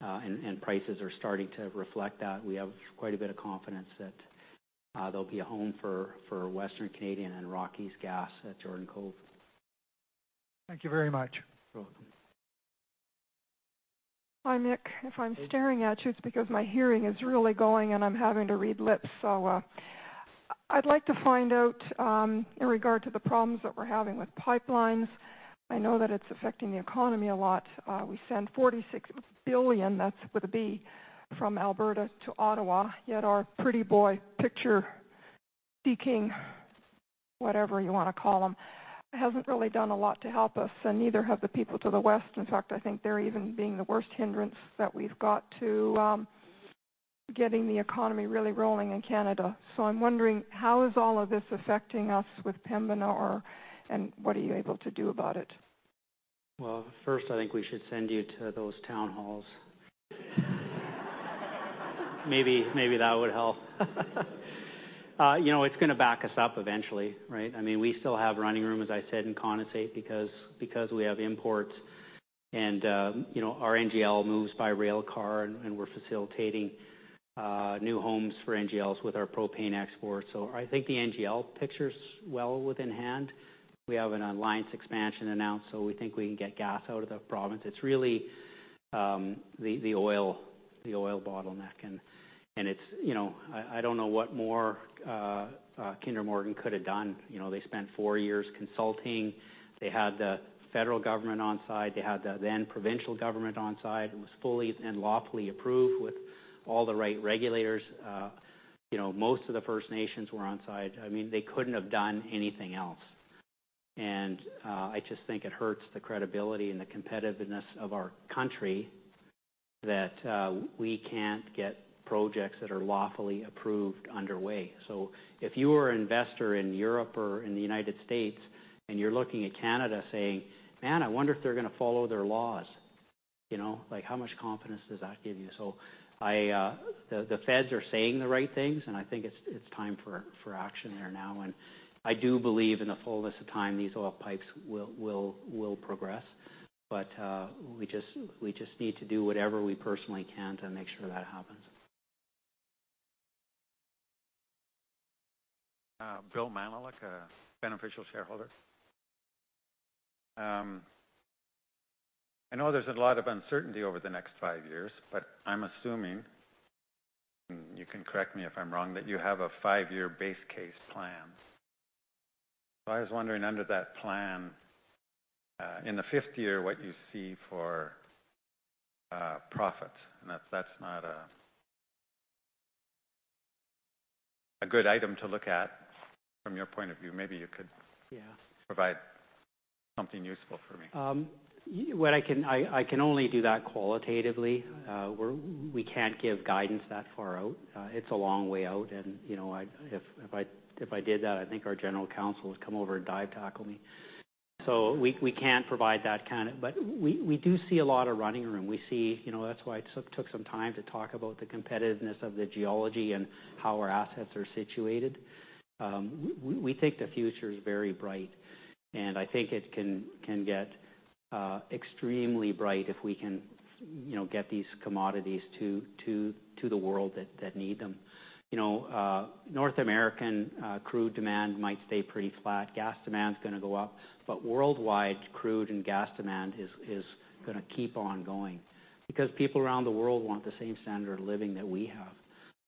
and prices are starting to reflect that, we have quite a bit of confidence that there'll be a home for Western Canadian and Rockies' gas at Jordan Cove. Thank you very much. You're welcome. Hi, Mick. If I'm staring at you, it's because my hearing is really going and I'm having to read lips. I'd like to find out, in regard to the problems that we're having with pipelines, I know that it's affecting the economy a lot. We send 46 billion, that's with a B, from Alberta to Ottawa. Yet our pretty boy, picture, speaking, whatever you want to call him, hasn't really done a lot to help us, and neither have the people to the west. In fact, I think they're even being the worst hindrance that we've got to getting the economy really rolling in Canada. I'm wondering, how is all of this affecting us with Pembina, and what are you able to do about it? Well, first, I think we should send you to those town halls. Maybe that would help. It's going to back us up eventually, right? We still have running room, as I said, in condensate because we have imports and our NGL moves by rail car, and we're facilitating new homes for NGLs with our propane exports. I think the NGL picture's well within hand. We have an Alliance expansion announced, so we think we can get gas out of the province. It's really the oil bottleneck. I don't know what more Kinder Morgan could have done. They spent 4 years consulting. They had the federal government on side, they had the then provincial government on side. It was fully and lawfully approved with all the right regulators. Most of the First Nations were on side. They couldn't have done anything else. I just think it hurts the credibility and the competitiveness of our country that we can't get projects that are lawfully approved underway. If you are an investor in Europe or in the United States and you're looking at Canada saying, "Man, I wonder if they're going to follow their laws." How much confidence does that give you? The feds are saying the right things, and I think it's time for action there now. I do believe in the fullness of time these oil pipes will progress. We just need to do whatever we personally can to make sure that happens. Bill Manulik, a beneficial shareholder. I know there's a lot of uncertainty over the next 5 years, but I'm assuming, and you can correct me if I'm wrong, that you have a 5-year base case plan. I was wondering under that plan, in the fifth year, what you see for profit. If that's not a good item to look at from your point of view, maybe you could- Yeah provide something useful for me. I can only do that qualitatively. We can't give guidance that far out. It's a long way out and if I did that, I think our general counsel would come over and dive tackle me. We can't provide. But we do see a lot of running room. That's why I took some time to talk about the competitiveness of the geology and how our assets are situated. We think the future is very bright, and I think it can get extremely bright if we can get these commodities to the world that need them. North American crude demand might stay pretty flat. Gas demand's going to go up. Worldwide crude and gas demand is going to keep on going because people around the world want the same standard of living that we have.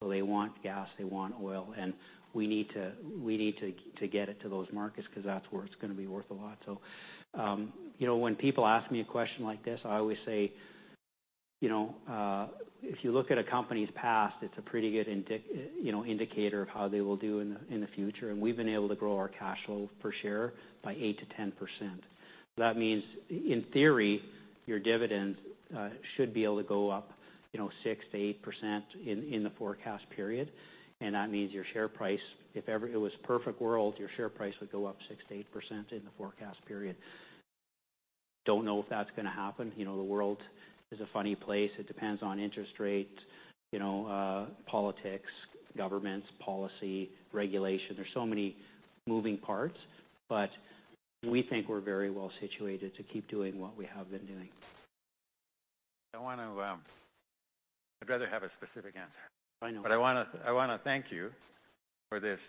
They want gas, they want oil, and we need to get it to those markets because that's where it's going to be worth a lot. When people ask me a question like this, I always say, if you look at a company's past, it's a pretty good indicator of how they will do in the future. We've been able to grow our cash flow per share by 8%-10%. That means, in theory, your dividend should be able to go up 6%-8% in the forecast period. That means your share price, if it was a perfect world, your share price would go up 6%-8% in the forecast period. Don't know if that's going to happen. The world is a funny place. It depends on interest rates, politics, governments, policy, regulation. There's so many moving parts, but we think we're very well situated to keep doing what we have been doing. I'd rather have a specific answer. I know. I want to thank you for this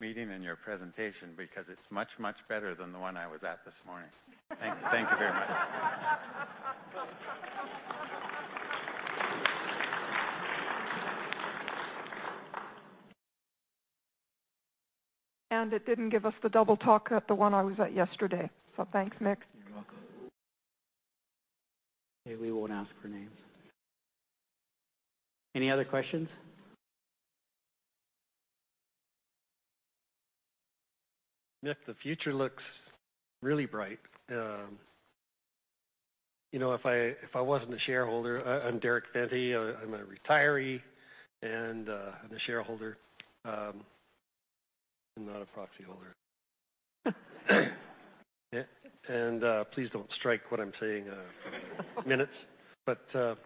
meeting and your presentation, because it's much, much better than the one I was at this morning. Thank you very much. It didn't give us the double talk at the one I was at yesterday. Thanks, Mick. You're welcome. Okay, we won't ask for names. Any other questions? Mick, the future looks really bright. If I wasn't a shareholder I'm Derek Fenty, I'm a retiree and I'm a shareholder. I'm not a proxy holder. Please don't strike what I'm saying from the minutes.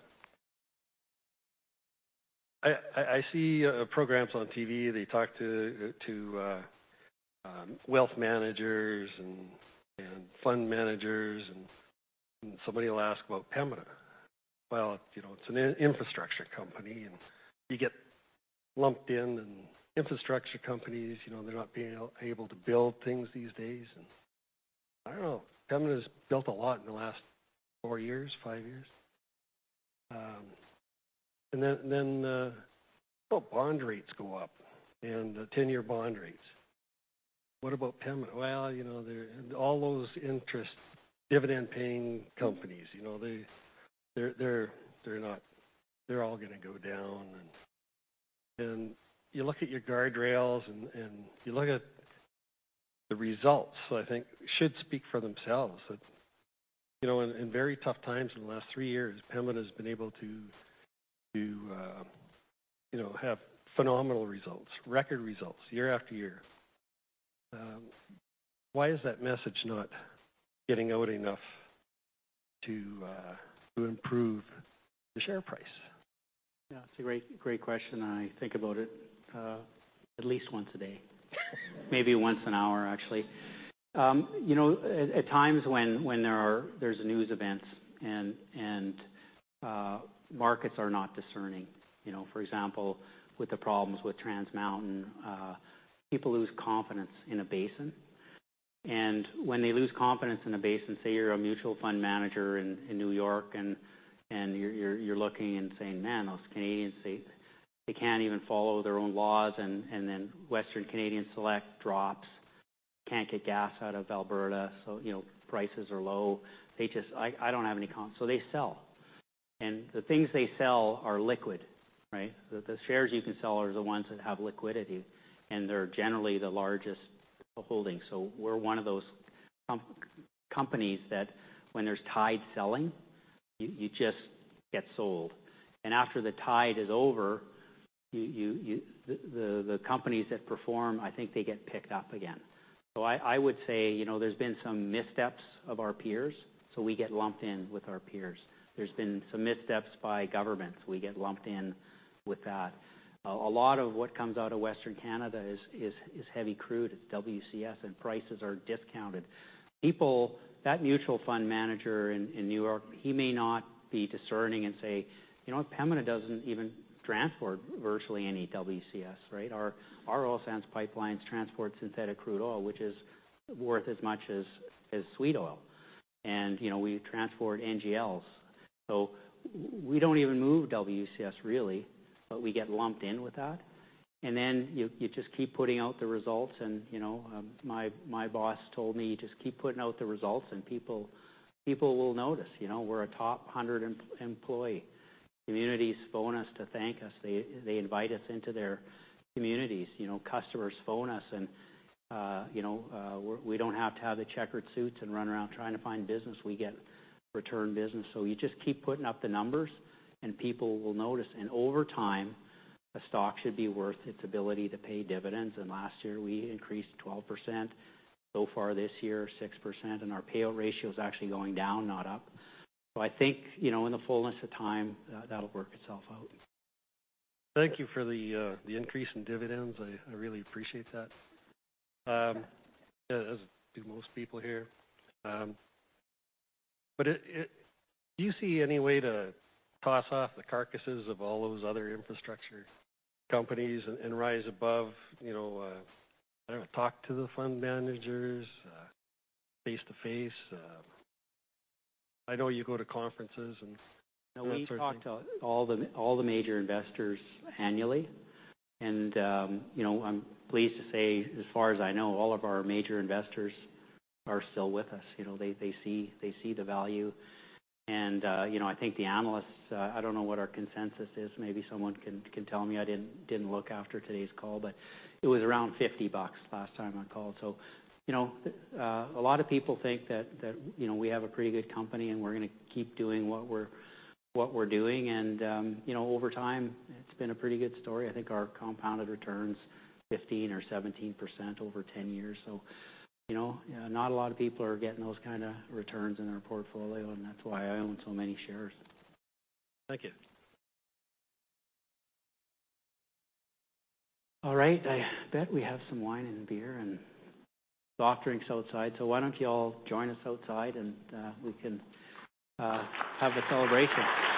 I see programs on TV, they talk to wealth managers and fund managers, somebody will ask about Pembina. Well, it's an infrastructure company, you get lumped in, infrastructure companies, they're not being able to build things these days, I don't know. Pembina's built a lot in the last four years, five years. What about bond rates go up and the 10-year bond rates? What about Pembina? Well, all those interest dividend-paying companies, they're all going to go down. You look at your guardrails and you look at the results, I think should speak for themselves. In very tough times in the last three years, Pembina has been able to have phenomenal results, record results year after year. Why is that message not getting out enough to improve the share price? Yeah, it's a great question. I think about it at least once a day. Maybe once an hour, actually. At times when there's news events and markets are not discerning, for example, with the problems with Trans Mountain, people lose confidence in a basin. When they lose confidence in a basin, say, you're a mutual fund manager in New York and you're looking and saying, "Man, those Canadians, they can't even follow their own laws." Western Canadian Select drops, can't get gas out of Alberta, prices are low. I don't have any confidence. They sell. The things they sell are liquid, right? The shares you can sell are the ones that have liquidity, and they're generally the largest holdings. We're one of those companies that when there's tide selling, you just get sold. After the tide is over, the companies that perform, I think they get picked up again. I would say, there's been some missteps of our peers, we get lumped in with our peers. There's been some missteps by governments. We get lumped in with that. A lot of what comes out of Western Canada is heavy crude. It's WCS, and prices are discounted. That mutual fund manager in New York, he may not be discerning and say, "You know what? Pembina doesn't even transport virtually any WCS." Right. Our oil sands pipelines transport synthetic crude oil, which is worth as much as sweet oil. We transport NGLs. We don't even move WCS, really, but we get lumped in with that. You just keep putting out the results and my boss told me, "Just keep putting out the results and people will notice." We're a Top 100 Employer. Communities phone us to thank us. They invite us into their communities. Customers phone us, and we don't have to have the checkered suits and run around trying to find business. We get return business. You just keep putting up the numbers and people will notice. Over time, a stock should be worth its ability to pay dividends. Last year, we increased 12%. So far this year, 6%, and our payout ratio is actually going down, not up. I think, in the fullness of time, that'll work itself out. Thank you for the increase in dividends. I really appreciate that. As do most people here. Do you see any way to toss off the carcasses of all those other infrastructure companies and rise above? I don't know, talk to the fund managers face-to-face? I know you go to conferences. We talk to all the major investors annually. I'm pleased to say, as far as I know, all of our major investors are still with us. They see the value. I think the analysts, I don't know what our consensus is, maybe someone can tell me. I didn't look after today's call, but it was around 50 bucks last time I called. A lot of people think that we have a pretty good company, and we're going to keep doing what we're doing. Over time, it's been a pretty good story. I think our compounded return's 15% or 17% over 10 years, not a lot of people are getting those kind of returns in their portfolio, and that's why I own so many shares. Thank you. All right. I bet we have some wine and beer and soft drinks outside, so why don't you all join us outside and we can have a celebration?